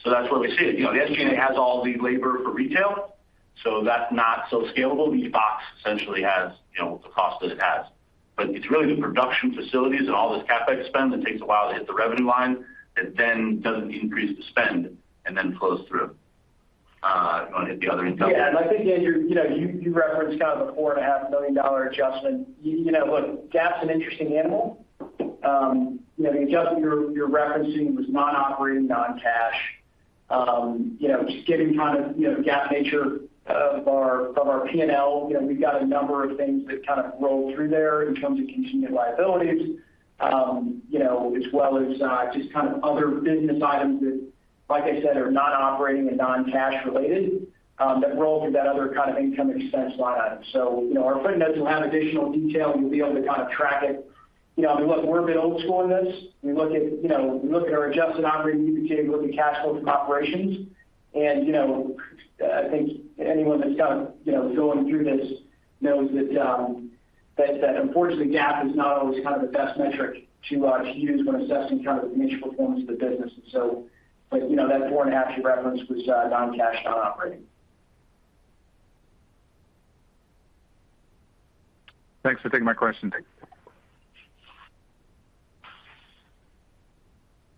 That's where we see it. You know, the SG&A has all the labor for retail, so that's not so scalable. The EBITDA essentially has, you know, the cost that it has. It's really the production facilities and all this CapEx spend that takes a while to hit the revenue line that then doesn't increase the spend and then flows through. Do you want to hit the other income item? Yeah. I think, Andrew, you know, you referenced the $4.5 million adjustment. You know, look, GAAP's an interesting animal. You know, the adjustment you're referencing was non-operating, non-cash. You know, just giving the GAAP nature of our P&L. You know, we've got a number of things that roll through there in terms of contingent liabilities, you know, as well as just other business items that, like I said, are not operating and non-cash related, that roll through that other income expense line item. You know, our footnotes will have additional detail, and you'll be able to track it. You know, I mean, look, we're a bit old school in this. We look at our adjusted operating EBITDA. We look at cash flows from operations. You know, I think anyone that's kind of, you know, going through this knows that unfortunately GAAP is not always kind of the best metric to use when assessing kind of the financial performance of the business. You know, that $4.5 you referenced was non-cash, non-operating. Thanks for taking my question. Thanks.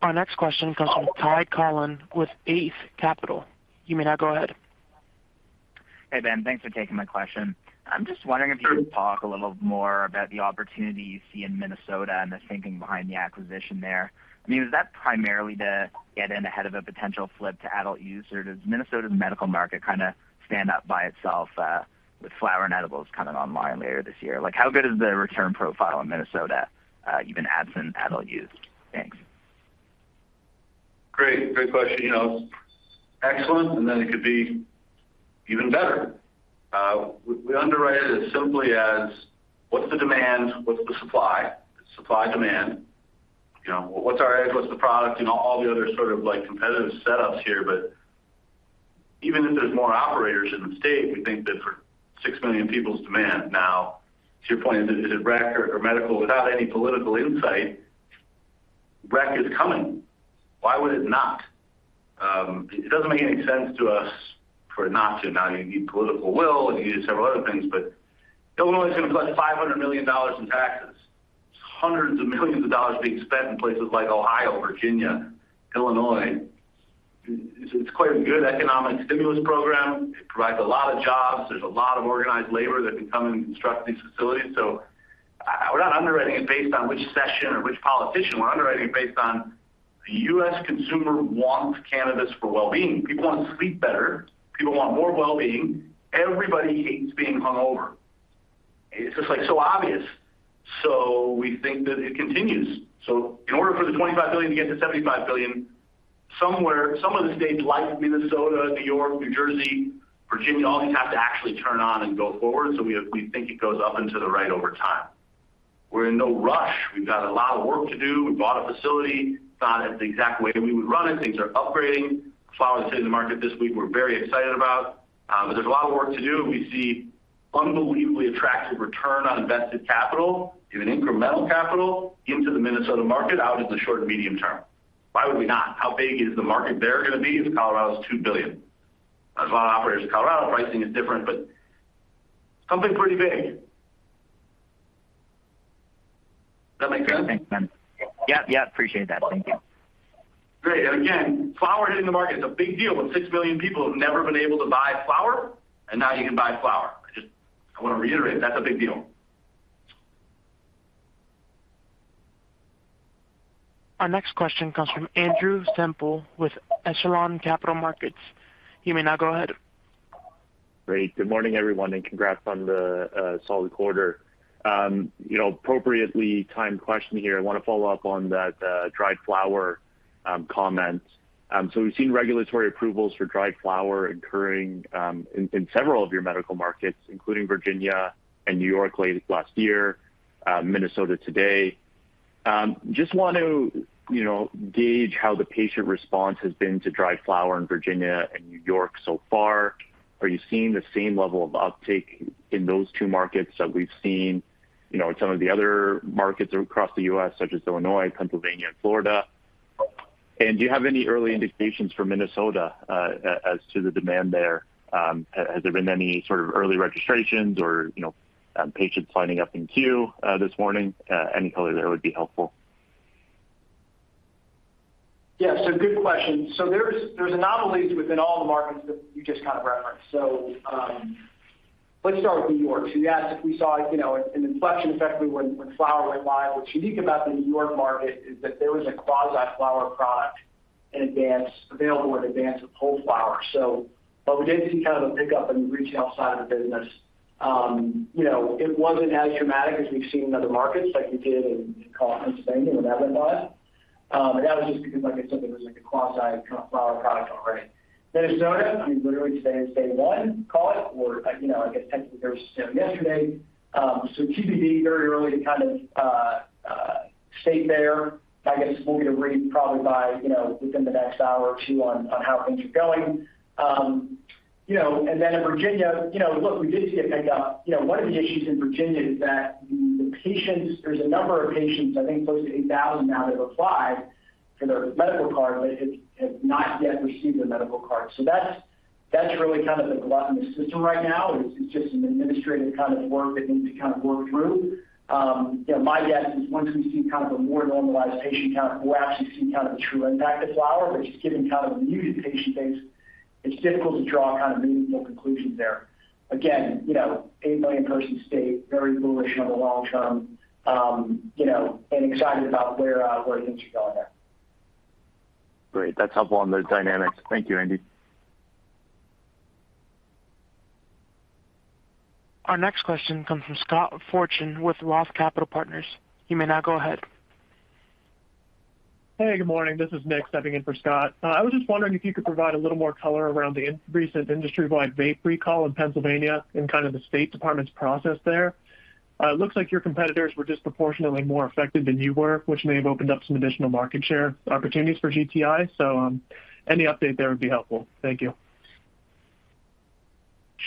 Our next question comes from Ty Collin with Eight Capital. You may now go ahead. Hey, Ben. Thanks for taking my question. I'm just wondering if you could talk a little more about the opportunity you see in Minnesota and the thinking behind the acquisition there. I mean, is that primarily to get in ahead of a potential flip to adult use, or does Minnesota's medical market kind of stand up by itself, with flower and edibles coming online later this year? Like, how good is the return profile in Minnesota, even absent adult use? Thanks. Great. Great question. You know, excellent, and then it could be even better. We underwrite it as simply as what's the demand, what's the supply? Supply, demand. You know, what's our edge? What's the product? You know, all the other sort of, like, competitive setups here. But even if there's more operators in the state, we think that for six million people's demand now, to your point, is it rec or medical? Without any political insight, rec is coming. Why would it not? It doesn't make any sense to us for it not to. Now, you need political will, and you need several other things, but Illinois is gonna collect $500 million in taxes. There's hundreds of millions of dollars being spent in places like Ohio, Virginia, Illinois. It's quite a good economic stimulus program. It provides a lot of jobs. There's a lot of organized labor that can come in and construct these facilities. We're not underwriting it based on which session or which politician. We're underwriting it based on the U.S. consumer wants cannabis for well-being. People want to sleep better. People want more well-being. Everybody hates being hungover. It's just, like, so obvious. We think that it continues. In order for the $25 billion to get to $75 billion, somewhere, some of the states like Minnesota, New York, New Jersey, Virginia, all these have to actually turn on and go forward. We think it goes up and to the right over time. We're in no rush. We've got a lot of work to do. We bought a facility, thought it the exact way that we would run it. Things are upgrading. Flower's hitting the market this week, we're very excited about. There's a lot of work to do. We see unbelievably attractive return on invested capital, even incremental capital into the Minnesota market out into the short and medium term. Why would we not? How big is the market there gonna be if Colorado's $2 billion? There's a lot of operators in Colorado. Pricing is different, but something pretty big. Does that make sense? Yeah. Thanks, Ben. Yep, yep. Appreciate that. Thank you. Great. Again, flower hitting the market is a big deal when six million people have never been able to buy flower, and now you can buy flower. I just, I wanna reiterate, that's a big deal. Our next question comes from Andrew Semple with Echelon Capital Markets. You may now go ahead. Great. Good morning, everyone, and congrats on the solid quarter. You know, appropriately timed question here. I wanna follow up on that, dried flower, comment. We've seen regulatory approvals for dried flower occurring in several of your medical markets, including Virginia and New York late last year, Minnesota today. Just want to, you know, gauge how the patient response has been to dried flower in Virginia and New York so far. Are you seeing the same level of uptake in those two markets that we've seen, you know, in some of the other markets across the U.S., such as Illinois, Pennsylvania, and Florida? Do you have any early indications for Minnesota, as to the demand there? Has there been any sort of early registrations or, you know, patients signing up in queue this morning? Any color there would be helpful. Yeah. Good question. There's anomalies within all the markets that you just kind of referenced. Let's start with New York. You asked if we saw, you know, an inflection effect when flower went live. What's unique about the New York market is that there was a quasi flower product in advance, available in advance of whole flower. We did see kind of a pickup in the retail side of the business. You know, it wasn't as dramatic as we've seen in other markets like we did in California and Pennsylvania when that went live. That was just because, like I said, there was like a quasi flower product already. Minnesota, I mean, literally today is day one, call it, or, you know, I guess technically there was, you know, yesterday. TBD, very early to kind of state there. I guess we'll get a read probably by, you know, within the next hour or two on how things are going. You know, then in Virginia, you know, look, we did see a pickup. You know, one of the issues in Virginia is that the patients, there's a number of patients, I think close to 8,000 now that have applied for their medical card, but have not yet received their medical card. That's really kind of the glut in the system right now. It's just an administrative kind of work that needs to kind of work through. You know, my guess is once we see kind of a more normalized patient count, we'll actually see kind of the true impact of flower, which is given kind of a muted patient base. It's difficult to draw kind of meaningful conclsions there. Again, you know, eight million-person state, very bullish on the long term, you know, and excited about where things are going there. Great. That's helpful on the dynamics. Thank you, Anthony. Our next question comes from Scott Fortune with ROTH Capital Partners. You may now go ahead. Hey, good morning. This is Nick stepping in for Scott. I was just wondering if you could provide a little more color around the recent industry-wide vape recall in Pennsylvania and kind of the state department's process there. It looks like your competitors were disproportionately more affected than you were, which may have opened up some additional market share opportunities for GTI. Any update there would be helpful. Thank you.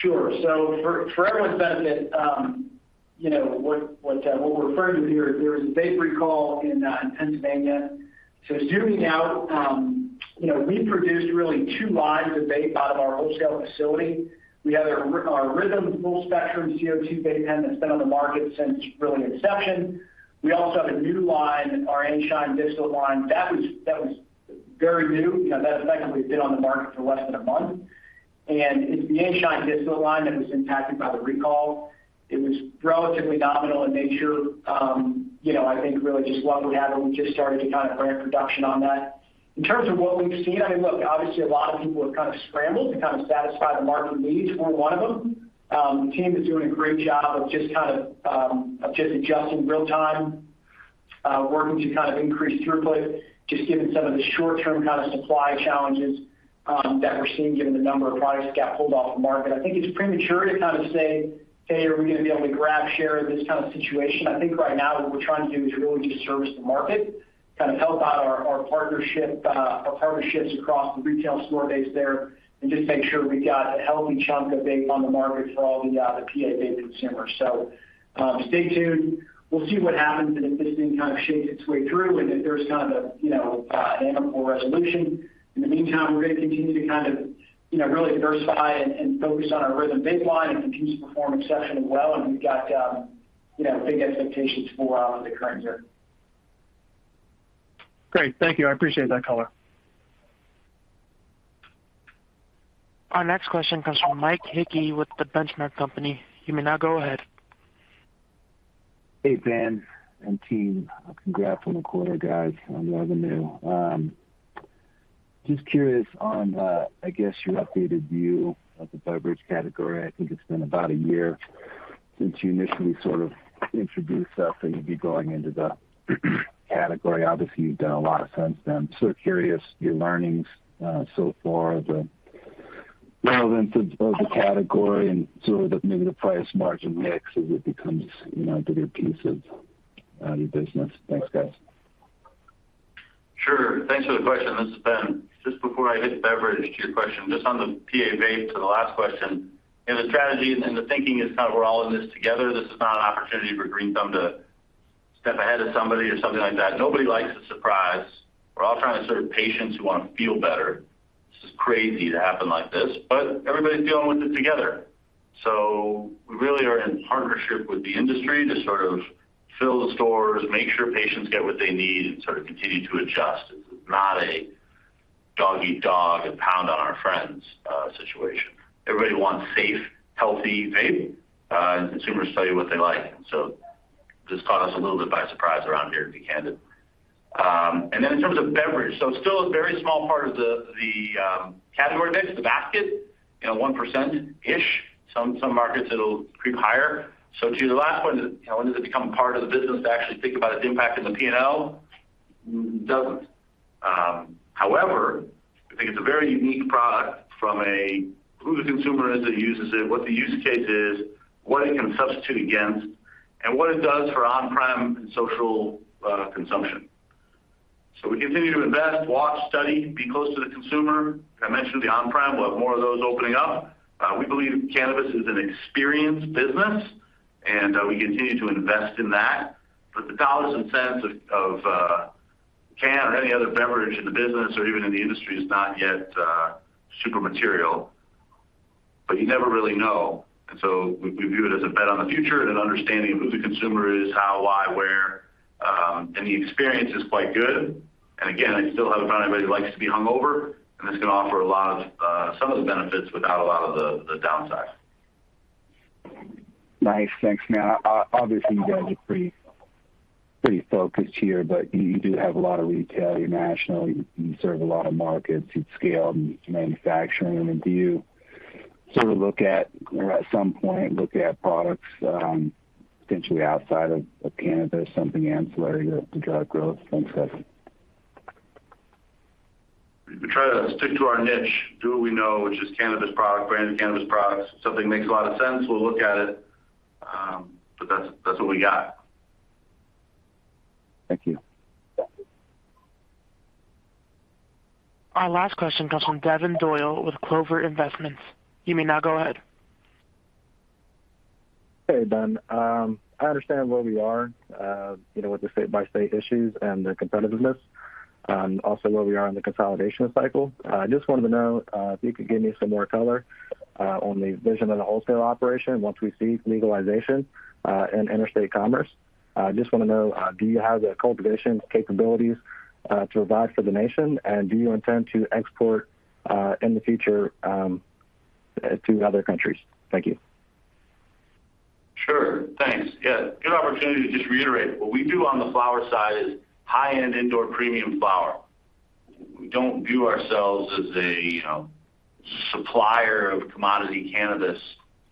Sure. For everyone's benefit, you know, what we're referring to here is there was a vape recall in Pennsylvania. Zooming out, you know, we produced really two lines of vape out of our wholesale facility. We have our RYTHM full spectrum CO2 vape pen that's been on the market since really inception. We also have a new line, our &Shine distillate line. That was very new. You know, that effectively has been on the market for less than a month. It's the &Shine distillate line that was impacted by the recall. It was relatively nominal in nature. You know, I think really just luck would have it, we just started to kind of ramp production on that. In terms of what we've seen, I mean, look, obviously a lot of people have kind of scrambled to kind of satisfy the market needs. We're one of them. The team is doing a great job of just kind of adjusting real-time, working to kind of increase throughput, just given some of the short-term kind of supply challenges that we're seeing given the number of products that got pulled off the market. I think it's premature to kind of say, "Hey, are we gonna be able to grab share in this kind of situation?" I think right now what we're trying to do is really just service the market, kind of help out our partnerships across the retail store base there, and just make sure we've got a healthy chunk of vape on the market for all the PA vape consumers. Stay tuned. We'll see what happens and if this thing kind of shakes its way through and if there's kind of a you know an amicable resolution. In the meantime, we're gonna continue to kind of you know really diversify and focus on our RYTHM vape line. It continues to perform exceptionally well, and we've got big expectations for the current year. Great. Thank you. I appreciate that color. Our next question comes from Mike Hickey with The Benchmark Company. You may now go ahead. Hey, Ben and team. Congrats on the quarter, guys, on revenue. Just curious on, I guess your updated view of the beverage category. I think it's been about a year since you initially sort of introduced us that you'd be going into the category. Obviously, you've done a lot since then. Curious your learnings so far, the relevance of the category and sort of the maybe the price margin mix as it becomes, you know, a bigger piece of your business. Thanks, guys. Sure. Thanks for the question. This is Ben. Just before I address your question, just on the PA vape ban to the last question. You know, the strategy and the thinking is kind of we're all in this together. This is not an opportunity for Green Thumb to step ahead of somebody or something like that. Nobody likes a surprise. We're all trying to serve patients who wanna feel better. This is crazy to happen like this, but everybody's dealing with it together. We really are in partnership with the industry to sort of fill the stores, make sure patients get what they need, and sort of continue to adjust. This is not a dog eat dog and pound on our friends situation. Everybody wants safe, healthy vaping, and consumers tell you what they like. This caught us a little bit by surprise around here, to be candid. In terms of beverage, still a very small part of the category mix, the basket, you know, 1%-ish. Some markets it'll creep higher. To the last point, you know, when does it become part of the business to actually think about its impact in the P&L? Doesn't. However, I think it's a very unique product from a who the consumer is that uses it, what the use case is, what it can substitute against, and what it does for on-prem and social consumption. We continue to invest, watch, study, be close to the consumer. I mentioned the on-prem, we'll have more of those opening up. We believe cannabis is an experience business, and we continue to invest in that. The dollars and cents of can or any other beverage in the business or even in the industry is not yet super material, but you never really know. We view it as a bet on the future and an understanding of who the consumer is, how, why, where, and the experience is quite good. Again, I still haven't found anybody who likes to be hungover, and this can offer a lot of some of the benefits without a lot of the downsides. Nice. Thanks, man. Obviously, you guys are pretty focused here, but you do have a lot of retail. You're national. You serve a lot of markets. You've scaled in manufacturing. I mean, do you sort of look at or at some point look at products potentially outside of cannabis, something ancillary to drive growth? Thanks, guys. We try to stick to our niche, do what we know, which is cannabis product, branded cannabis products. If something makes a lot of sense, we'll look at it. That's what we got. Thank you. Our last question comes from [Devin Doyle] with Clover Investments. You may now go ahead. Hey, Ben. I understand where we are, you know, with the state-by-state issues and the competitiveness, also where we are in the consolidation cycle. I just wanted to know if you could give me some more color on the vision of the wholesale operation once we see legalization and interstate commerce. I just want to know, do you have the cultivation capabilities to provide for the nation, and do you intend to export in the future to other countries? Thank you. Sure. Thanks. Yeah. Good opportunity to just reiterate. What we do on the flower side is high-end indoor premium flower. We don't view ourselves as a, you know, supplier of commodity cannabis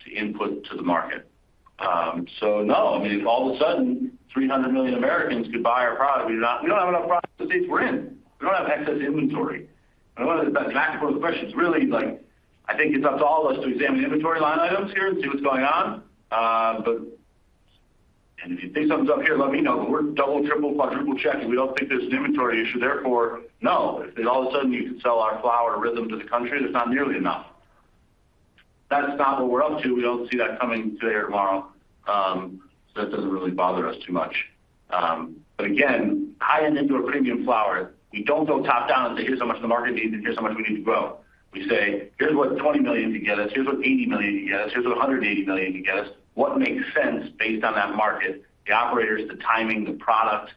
to input to the market. So no, I mean, if all of a sudden 300 million Americans could buy our product, we don't have enough product for the states we're in. We don't have excess inventory. I want to back to one of the questions, really, like, I think it's up to all of us to examine the inventory line items here and see what's going on. But if you think something's up here, let me know, but we're double, triple, quadruple-checking. We don't think there's an inventory issue. Therefore, no. If all of a sudden you can sell our flower, RYTHM to the country, there's not nearly enough. That's not what we're up to. We don't see that coming today or tomorrow. That doesn't really bother us too much. Again, high-end indoor premium flower, we don't go top-down and say, "Here's how much the market needs, and here's how much we need to grow." We say, "Here's what $20 million can get us. Here's what $80 million can get us. Here's what $180 million can get us." What makes sense based on that market, the operators, the timing, the product,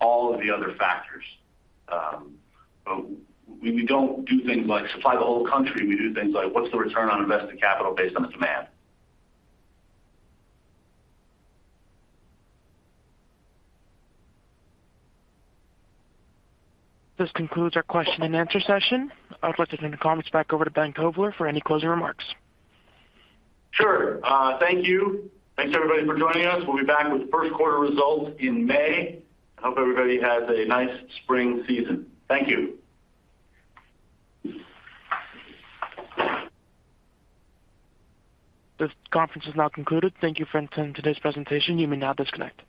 all of the other factors. We don't do things like supply the whole country. We do things like what's the return on invested capital based on the demand? This concludes our question and answer session. I would like to turn the comments back over to Ben Kovler for any closing remarks. Sure. Thank you. Thanks, everybody, for joining us. We'll be back with first quarter results in May. I hope everybody has a nice spring season. Thank you. This conference is now concluded. Thank you for attending today's presentation. You may now disconnect.